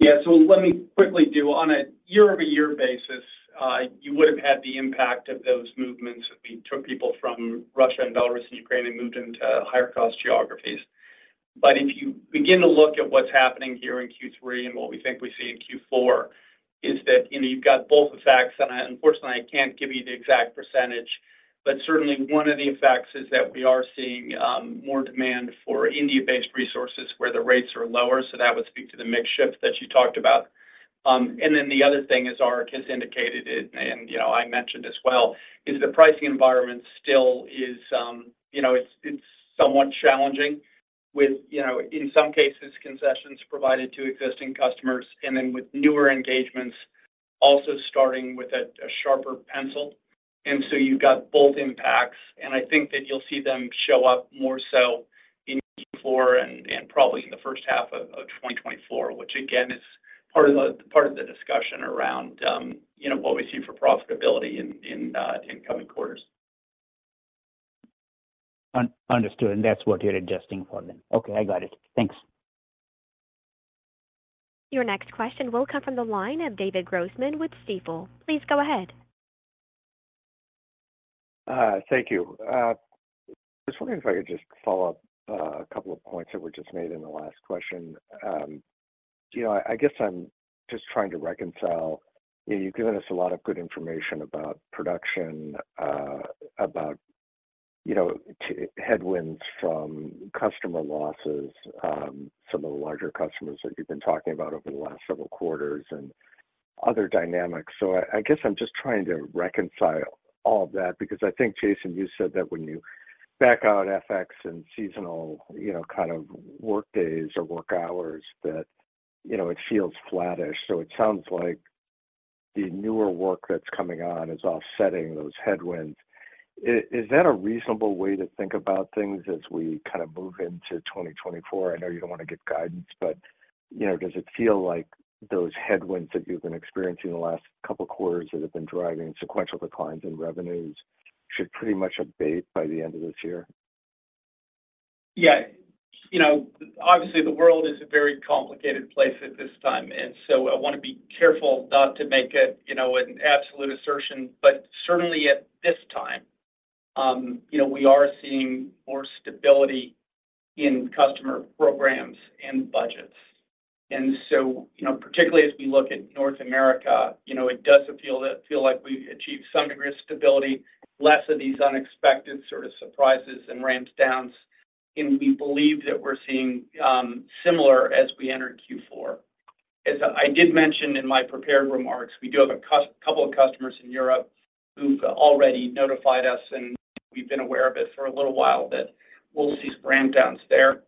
D: Yeah. So let me quickly do. On a year-over-year basis, you would have had the impact of those movements. We took people from Russia and Belarus, and Ukraine and moved them to higher cost geographies. But if you begin to look at what's happening here in Q3 and what we think we see in Q4, is that, you know, you've got both effects, and unfortunately, I can't give you the exact percentage. But certainly, one of the effects is that we are seeing more demand for India-based resources where the rates are lower, so that would speak to the mix shift that you talked about. And then the other thing, as Ark has indicated, and, you know, I mentioned as well, is the pricing environment still, you know, it's somewhat challenging with, you know, in some cases, concessions provided to existing customers, and then with newer engagements, also starting with a sharper pencil. And so you've got both impacts, and I think that you'll see them show up more so in Q4 and probably in the first half of 2024, which again, is part of the discussion around, you know, what we see for profitability in coming quarters....
G: Understood, and that's what you're adjusting for then. Okay, I got it. Thanks.
A: Your next question will come from the line of David Grossman with Stifel. Please go ahead.
H: Thank you. Just wondering if I could just follow up, a couple of points that were just made in the last question. You know, I guess I'm just trying to reconcile-- You've given us a lot of good information about production, about, you know, to headwinds from customer losses, some of the larger customers that you've been talking about over the last several quarters and other dynamics. So I guess I'm just trying to reconcile all of that because I think, Jason, you said that when you back out FX and seasonal, you know, kind of work days or work hours, that, you know, it feels flattish. So it sounds like the newer work that's coming on is offsetting those headwinds. Is that a reasonable way to think about things as we kind of move into 2024? I know you don't want to give guidance, but, you know, does it feel like those headwinds that you've been experiencing in the last couple of quarters that have been driving sequential declines in revenues should pretty much abate by the end of this year?
D: Yeah. You know, obviously, the world is a very complicated place at this time, and so I want to be careful not to make it, you know, an absolute assertion. But certainly at this time, you know, we are seeing more stability in customer programs and budgets. And so, you know, particularly as we look at North America, you know, it does feel like we've achieved some degree of stability, less of these unexpected sort of surprises and ramp downs, and we believe that we're seeing similar as we enter Q4. As I did mention in my prepared remarks, we do have a couple of customers in Europe who've already notified us, and we've been aware of it for a little while, that we'll see some ramp downs there.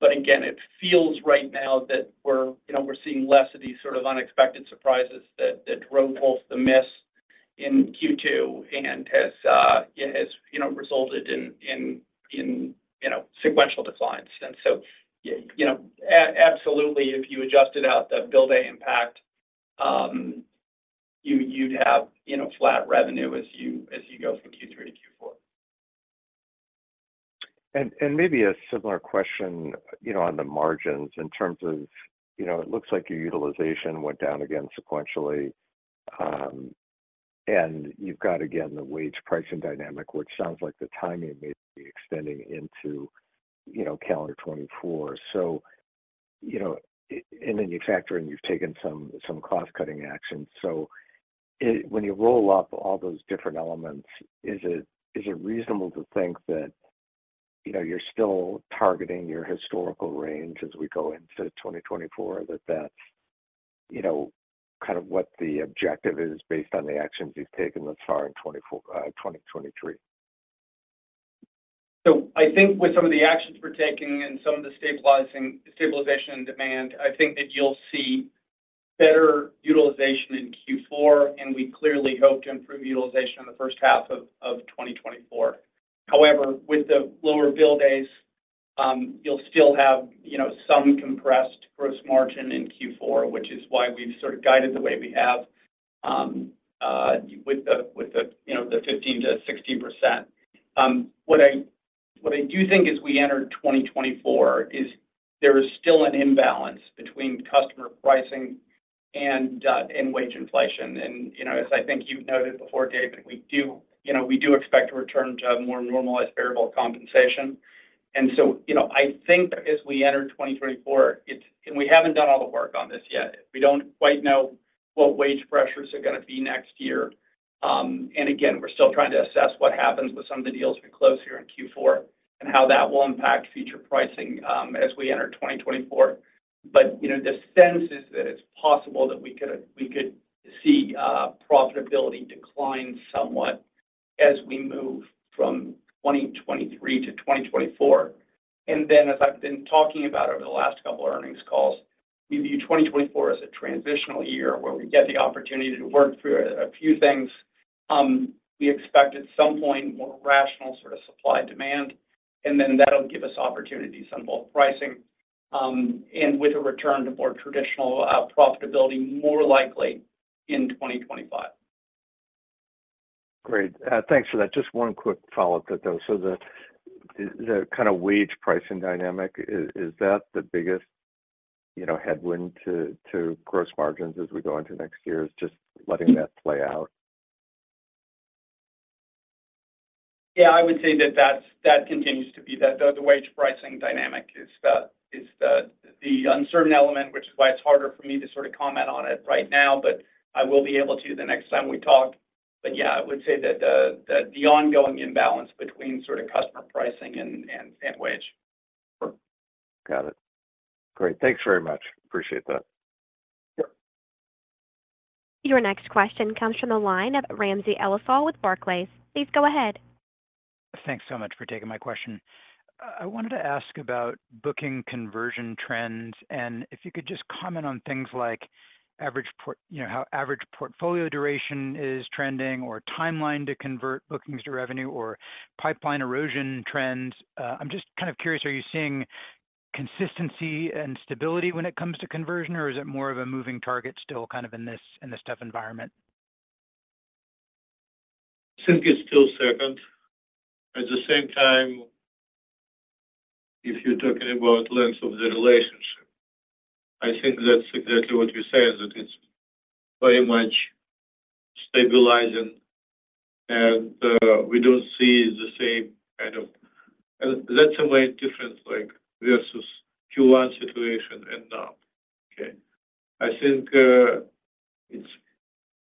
D: But again, it feels right now that we're, you know, we're seeing less of these sort of unexpected surprises that drove both the miss in Q2 and has, has, you know, resulted in sequential declines. And so, you know, absolutely, if you adjusted out the bill day impact, you, you'd have, you know, flat revenue as you, as you go from Q3 to Q4.
H: Maybe a similar question, you know, on the margins in terms of, you know, it looks like your utilization went down again sequentially. And you've got, again, the wage pricing dynamic, which sounds like the timing may be extending into, you know, calendar 2024. So, you know, and then you factor in, you've taken some cost-cutting actions. So, when you roll up all those different elements, is it reasonable to think that, you know, you're still targeting your historical range as we go into 2024? That's, you know, kind of what the objective is based on the actions you've taken thus far in 2024, 2023.
D: So I think with some of the actions we're taking and some of the stabilization and demand, I think that you'll see better utilization in Q4, and we clearly hope to improve utilization in the first half of 2024. However, with the lower bill days, you'll still have, you know, some compressed gross margin in Q4, which is why we've sort of guided the way we have, with the, with the, you know, the 15%-16%. What I do think as we enter 2024 is there is still an imbalance between customer pricing and wage inflation. And, you know, as I think you've noted before, David, we do... You know, we do expect to return to a more normalized variable compensation. And so, you know, I think as we enter 2024, it's, and we haven't done all the work on this yet. We don't quite know what wage pressures are going to be next year. And again, we're still trying to assess what happens with some of the deals we close here in Q4 and how that will impact future pricing, as we enter 2024. But, you know, the sense is that it's possible that we could see profitability decline somewhat as we move from 2023 to 2024. And then, as I've been talking about over the last couple of earnings calls, we view 2024 as a transitional year where we get the opportunity to work through a few things. We expect at some point, more rational sort of supply/demand, and then that'll give us opportunities on both pricing, and with a return to more traditional profitability, more likely in 2025.
H: Great. Thanks for that. Just one quick follow-up to that, though. So the kind of wage pricing dynamic, is that the biggest, you know, headwind to gross margins as we go into next year, is just letting that play out?
D: Yeah, I would say that that continues to be the... The wage pricing dynamic is the uncertain element, which is why it's harder for me to sort of comment on it right now, but I will be able to the next time we talk. But yeah, I would say that the ongoing imbalance between sort of customer pricing and wage.
H: Got it. Great. Thanks very much. Appreciate that.
D: Yep.
A: Your next question comes from the line of Ramsey El-Assal with Barclays. Please go ahead.
I: Thanks so much for taking my question. I, I wanted to ask about booking conversion trends, and if you could just comment on things like average portfolio—you know, how average portfolio duration is trending or timeline to convert bookings to revenue or pipeline erosion trends. I'm just kind of curious, are you seeing consistency and stability when it comes to conversion, or is it more of a moving target still kind of in this, in this tough environment?...
C: I think it's still second. At the same time, if you're talking about length of the relationship, I think that's exactly what you said, that it's very much stabilizing, and we don't see the same kind of, and that's a way different, like, versus Q1 situation and now. Okay. I think it's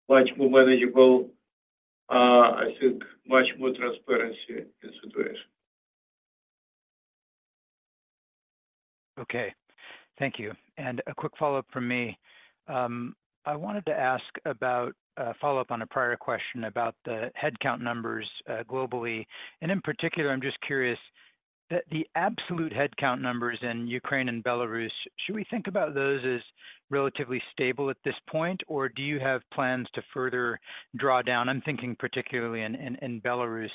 C: much more manageable. I think much more transparency in situation.
I: Okay. Thank you. And a quick follow-up from me. I wanted to ask about a follow-up on a prior question about the headcount numbers, globally. And in particular, I'm just curious, the absolute headcount numbers in Ukraine and Belarus, should we think about those as relatively stable at this point, or do you have plans to further draw down? I'm thinking particularly in Belarus,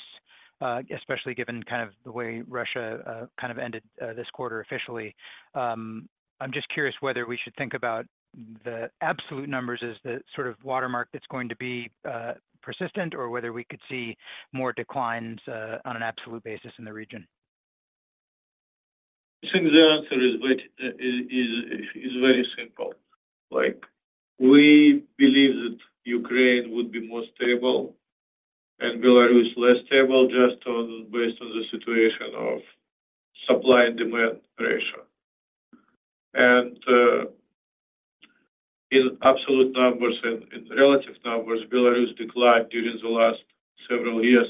I: especially given kind of the way Russia kind of ended this quarter officially. I'm just curious whether we should think about the absolute numbers as the sort of watermark that's going to be persistent, or whether we could see more declines on an absolute basis in the region.
C: I think the answer is very simple. Like, we believe that Ukraine would be more stable and Belarus less stable, just based on the situation of supply and demand ratio. In absolute numbers and in relative numbers, Belarus declined during the last several years,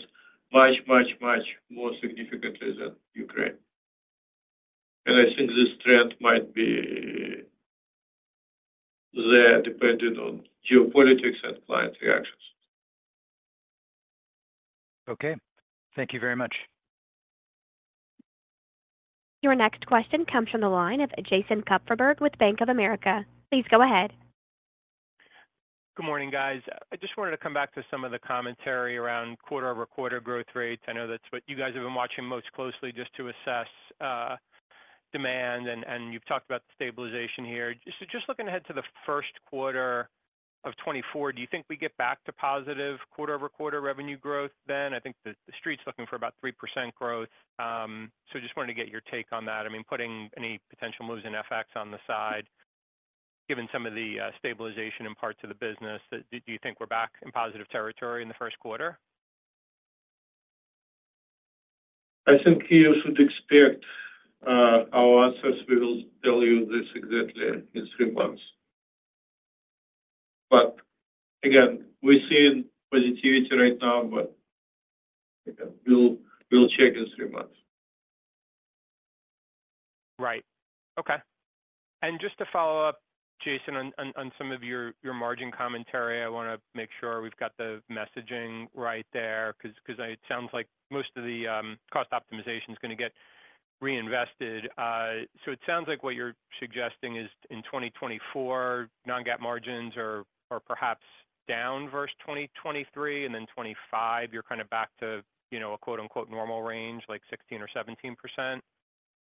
C: much, much, much more significantly than Ukraine. I think this trend might be there depending on geopolitics and client reactions.
I: Okay. Thank you very much.
A: Your next question comes from the line of Jason Kupferberg with Bank of America. Please go ahead.
J: Good morning, guys. I just wanted to come back to some of the commentary around quarter-over-quarter growth rates. I know that's what you guys have been watching most closely just to assess demand, and you've talked about stabilization here. Just looking ahead to the first quarter of 2024, do you think we get back to positive quarter-over-quarter revenue growth then? I think the Street's looking for about 3% growth. So just wanted to get your take on that. I mean, putting any potential moves in FX on the side, given some of the stabilization in parts of the business, do you think we're back in positive territory in the first quarter?
C: I think you should expect our answers. We will tell you this exactly in three months. But again, we're seeing positivity right now, but again, we'll check in three months.
J: Right. Okay. And just to follow up, Jason, on some of your margin commentary, I want to make sure we've got the messaging right there, 'cause it sounds like most of the cost optimization is gonna get reinvested. So it sounds like what you're suggesting is in 2024, non-GAAP margins are perhaps down versus 2023, and then 2025, you're kind of back to, you know, a, quote-unquote, "normal range," like 16% or 17%.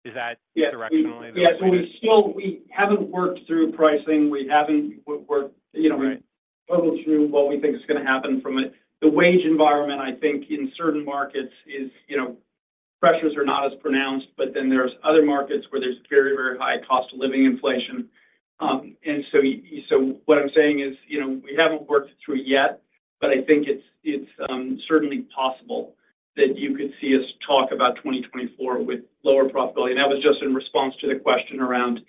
J: Is that directionally the-
D: Yeah. So we still—we haven't worked through pricing. We haven't worked, you know—
J: Right...
D: toggled through what we think is gonna happen from it. The wage environment, I think in certain markets is, you know, pressures are not as pronounced, but then there's other markets where there's very, very high cost of living inflation. And so what I'm saying is, you know, we haven't worked through it yet, but I think it's certainly possible that you could see us talk about 2024 with lower profitability. And that was just in response to the question around,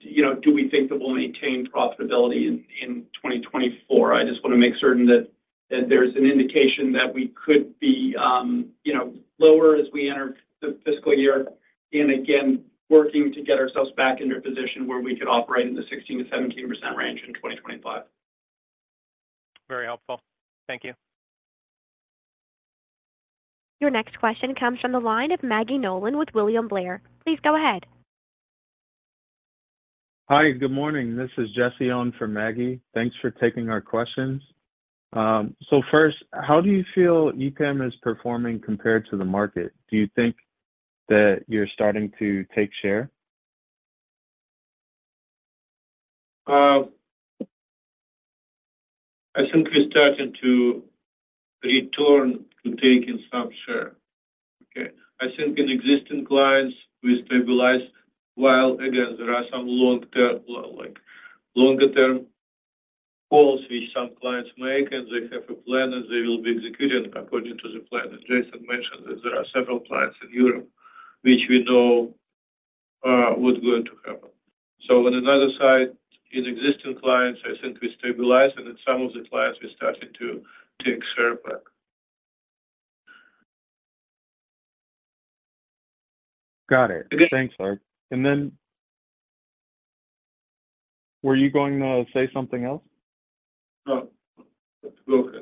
D: you know, do we think that we'll maintain profitability in 2024? I just want to make certain that there's an indication that we could be, you know, lower as we enter the fiscal year. And again, working to get ourselves back into a position where we could operate in the 16%-17% range in 2025.
J: Very helpful. Thank you.
A: Your next question comes from the line of Maggie Nolan with William Blair. Please go ahead.
K: Hi, good morning. This is Jesse for Maggie Nolan. Thanks for taking our questions. So first, how do you feel EPAM is performing compared to the market? Do you think that you're starting to take share?
C: I think we're starting to return to taking some share. Okay, I think in existing clients, we stabilize, while again, there are some long term, like, longer term calls, which some clients make, and they have a plan, and they will be executed according to the plan. As Jason mentioned, that there are several clients in Europe which we know was going to happen. So on another side, in existing clients, I think we stabilize, and in some of the clients, we're starting to take share back.
K: Got it.
C: Okay.
K: Thanks, Ark. And then were you going to say something else?
C: No. That's okay.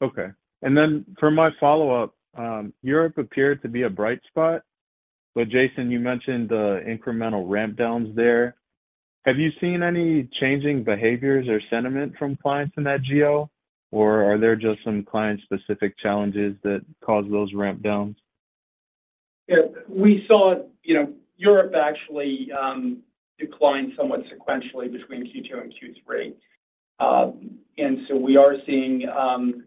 K: Okay. And then for my follow-up, Europe appeared to be a bright spot, but Jason, you mentioned the incremental ramp downs there. Have you seen any changing behaviors or sentiment from clients in that geo, or are there just some client-specific challenges that cause those ramp downs?...
D: Yeah, we saw, you know, Europe actually declined somewhat sequentially between Q2 and Q3. And so we are seeing,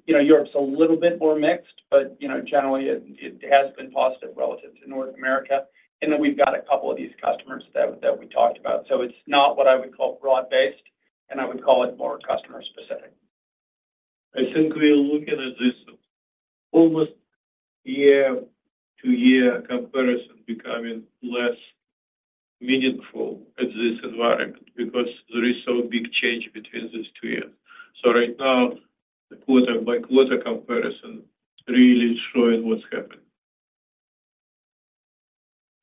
D: you know, Europe's a little bit more mixed, but, you know, generally it, it has been positive relative to North America. And then we've got a couple of these customers that, that we talked about. So it's not what I would call broad-based, and I would call it more customer-specific.
C: I think we are looking at this almost year-to-year comparison becoming less meaningful at this environment because there is so big change between these two years. So right now, the quarter-by-quarter comparison really showing what's happening.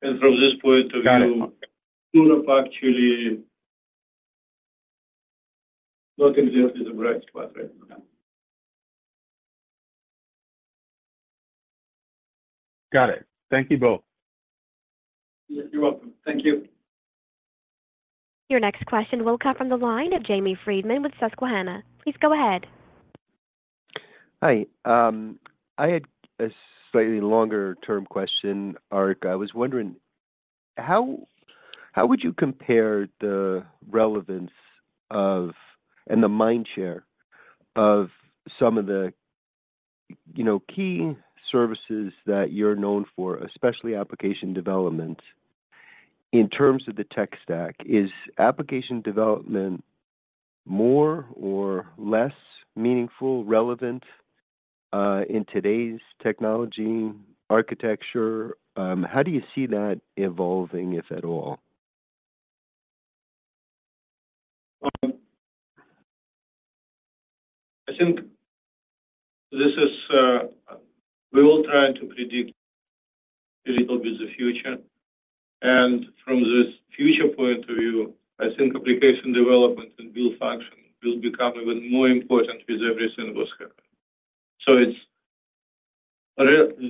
C: And from this point of view -
K: Got it. Europe actually not exactly the right spot right now. Got it. Thank you both.
D: You're welcome. Thank you.
A: Your next question will come from the line of Jamie Friedman with Susquehanna. Please go ahead.
L: Hi. I had a slightly longer-term question, Ark. I was wondering, how would you compare the relevance of, and the mind share of some of the, you know, key services that you're known for, especially application development, in terms of the tech stack? Is application development more or less meaningful, relevant, in today's technology architecture? How do you see that evolving, if at all?
C: I think this is, we all trying to predict a little bit the future, and from this future point of view, I think application development and build function will become even more important with everything what's happening. So it's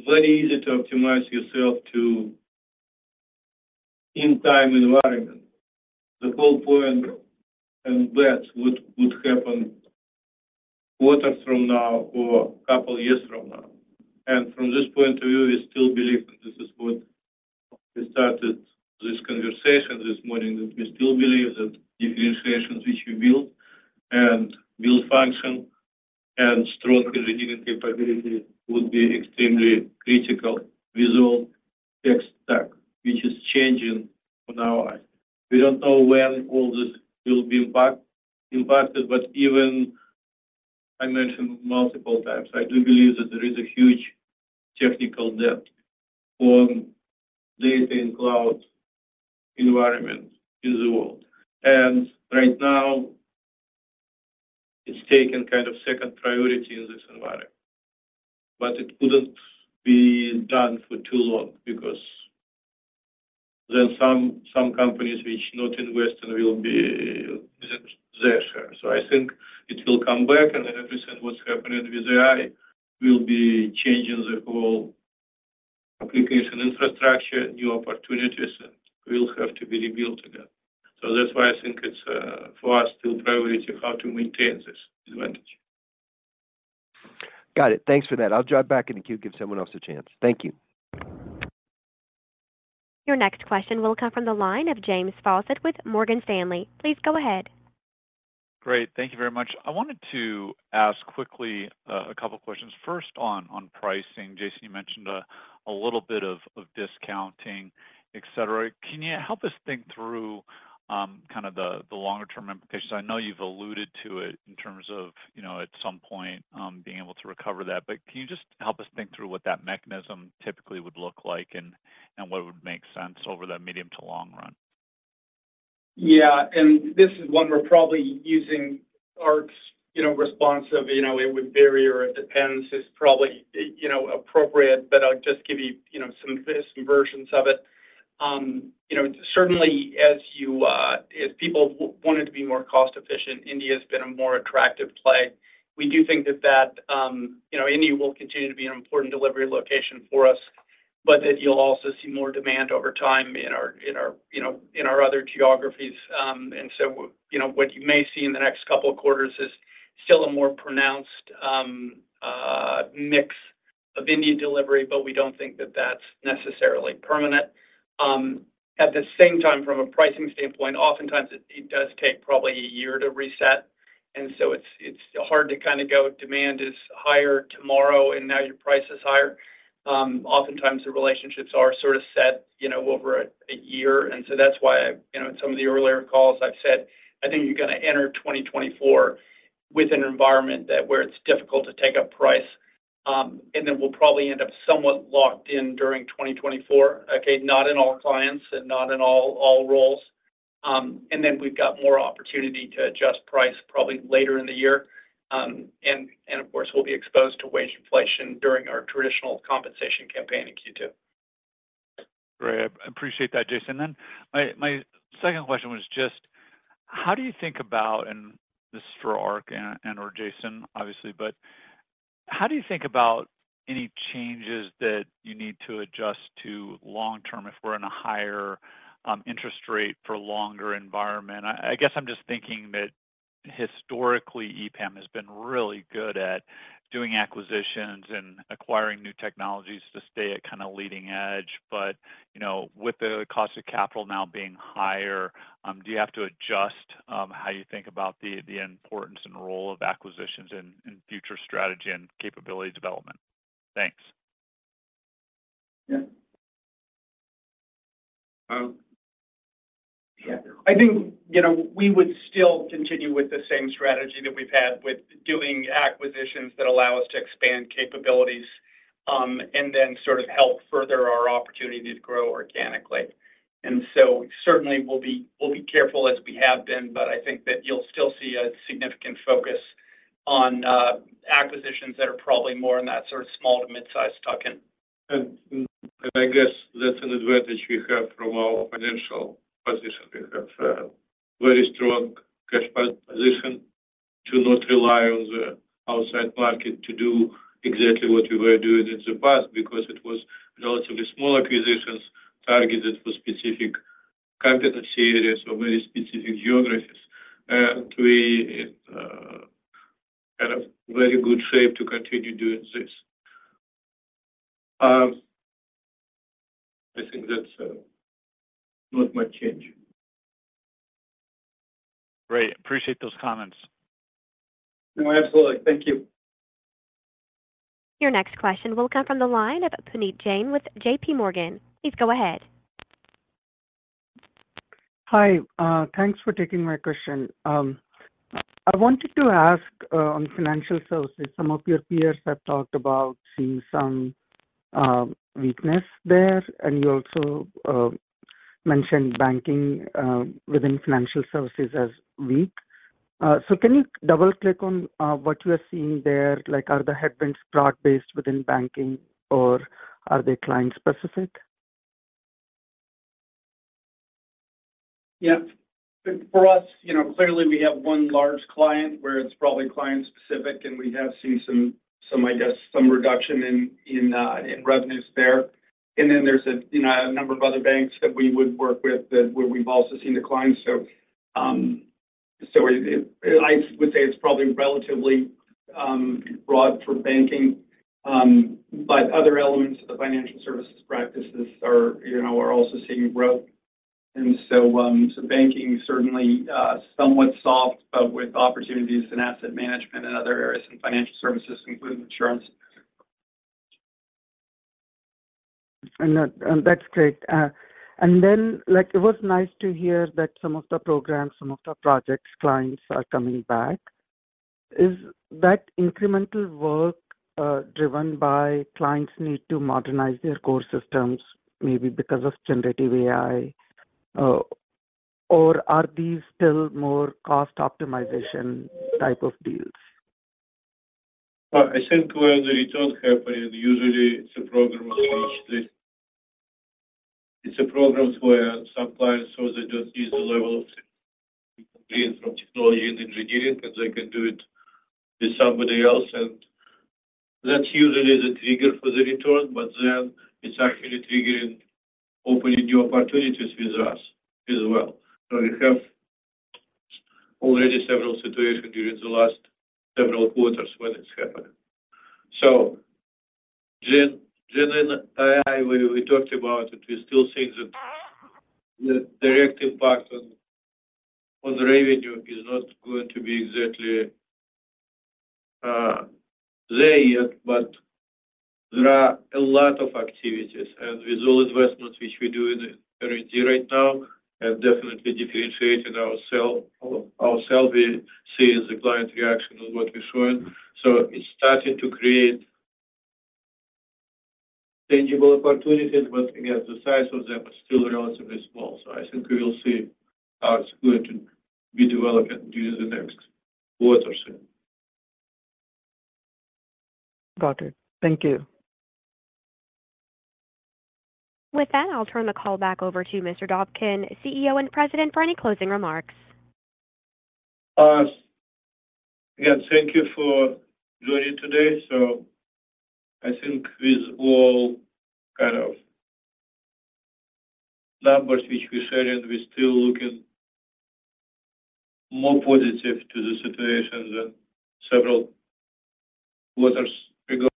C: very easy to optimize yourself to in time environment, the whole point, and that would happen quarters from now or couple years from now. And from this point of view, we still believe, and this is what we started this conversation this morning, that we still believe that differentiations which we build and build function and strong engineering capability would be extremely critical with the tech stack, which is changing on our eyes. We don't know when all this will be impacted, but even I mentioned multiple times, I do believe that there is a huge technical debt on data and cloud environment in the world. And right now, it's taken kind of second priority in this environment, but it couldn't be done for too long because then some companies which not invest will be their share. So I think it will come back, and everything what's happening with AI will be changing the whole application infrastructure, new opportunities, and will have to be rebuilt again. So that's why I think it's, for us, still priority how to maintain this advantage.
L: Got it. Thanks for that. I'll drop back in the queue, give someone else a chance. Thank you.
A: Your next question will come from the line of James Faucette with Morgan Stanley. Please go ahead.
M: Great. Thank you very much. I wanted to ask quickly a couple questions. First, on pricing. Jason, you mentioned a little bit of discounting, et cetera. Can you help us think through kind of the longer-term implications? I know you've alluded to it in terms of, you know, at some point being able to recover that, but can you just help us think through what that mechanism typically would look like and what would make sense over the medium to long run?
D: Yeah, and this is one we're probably using Ark's, you know, response of, you know, it would vary or it depends, is probably, you know, appropriate, but I'll just give you, you know, some versions of it. You know, certainly as you, as people wanted to be more cost efficient, India's been a more attractive play. We do think that that, you know, India will continue to be an important delivery location for us, but that you'll also see more demand over time in our, in our, you know, in our other geographies. And so, you know, what you may see in the next couple of quarters is still a more pronounced, mix of India delivery, but we don't think that that's necessarily permanent. At the same time, from a pricing standpoint, oftentimes, it does take probably a year to reset, and so it's hard to kinda go demand is higher tomorrow, and now your price is higher. Oftentimes the relationships are sort of set, you know, over a year, and so that's why, you know, in some of the earlier calls I've said, "I think you're gonna enter 2024 with an environment that where it's difficult to take up price, and then we'll probably end up somewhat locked in during 2024." Okay, not in all clients and not in all roles. And then we've got more opportunity to adjust price probably later in the year. And, of course, we'll be exposed to wage inflation during our traditional compensation campaign in Q2.
M: Great. I appreciate that, Jason. Then my second question was just, how do you think about... and this is for Ark and, and/or Jason, obviously, but how do you think about any changes that you need to adjust to long term if we're in a higher, interest rate for longer environment? I guess I'm just thinking that... historically, EPAM has been really good at doing acquisitions and acquiring new technologies to stay at kind of leading edge. But, you know, with the cost of capital now being higher, do you have to adjust, how you think about the importance and role of acquisitions in future strategy and capability development? Thanks.
C: Yeah. Yeah, I think, you know, we would still continue with the same strategy that we've had with doing acquisitions that allow us to expand capabilities, and then sort of help further our opportunity to grow organically. And so certainly we'll be, we'll be careful as we have been, but I think that you'll still see a significant focus on, acquisitions that are probably more in that sort of small to midsize tuck-in. And, and I guess that's an advantage we have from our financial position. We have a very strong cash flow position to not rely on the outside market to do exactly what we were doing in the past, because it was relatively small acquisitions targeted for specific competency areas or very specific geographies. And we, had a very good shape to continue doing this. I think that's, not much change.
M: Great. Appreciate those comments.
C: No, absolutely. Thank you.
A: Your next question will come from the line of Puneet Jain with JPMorgan. Please go ahead.
N: Hi. Thanks for taking my question. I wanted to ask, on financial services, some of your peers have talked about seeing some weakness there, and you also mentioned banking within financial services as weak. So can you double-click on what you are seeing there? Like, are the headwinds broad-based within banking, or are they client-specific?
C: Yeah. For us, you know, clearly we have one large client where it's probably client-specific, and we have seen some, I guess, some reduction in revenues there. And then there's a, you know, a number of other banks that we would work with where we've also seen declines. So, it—I would say it's probably relatively broad for banking. But other elements of the financial services practices are, you know, also seeing growth. And so banking certainly somewhat soft, but with opportunities in asset management and other areas in financial services, including insurance.
N: And that, and that's great. And then, like, it was nice to hear that some of the programs, some of the projects, clients are coming back. Is that incremental work, driven by clients' need to modernize their core systems, maybe because of generative AI? Or are these still more cost optimization type of deals?
C: I think where the return happen, usually it's a program where some clients, so they just use the level of gain from technology and engineering, and they can do it with somebody else, and that's usually the trigger for the return. But then it's actually triggering, opening new opportunities with us as well. So we have already several situations during the last several quarters when it's happened. So GenAI, we talked about it. We still think that the direct impact on the revenue is not going to be exactly there yet, but there are a lot of activities. And with all investments, which we do in R&D right now, and definitely differentiating ourself, we see the client reaction on what we're showing. So it's starting to create tangible opportunities. Again, the size of them is still relatively small. I think we will see how it's going to be developing during the next quarters.
N: Got it. Thank you.
A: With that, I'll turn the call back over to Mr. Dobkin, CEO and President, for any closing remarks.
C: Again, thank you for joining today. So I think with all kind of numbers which we shared, we're still looking more positive to the situation than several quarters ago.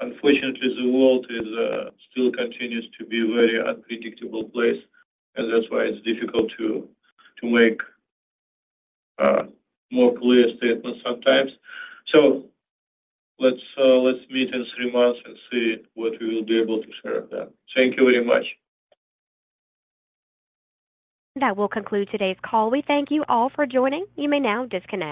C: Unfortunately, the world is still continues to be very unpredictable place, and that's why it's difficult to make more clear statements sometimes. So let's meet in three months and see what we will be able to share then. Thank you very much.
A: That will conclude today's call. We thank you all for joining. You may now disconnect.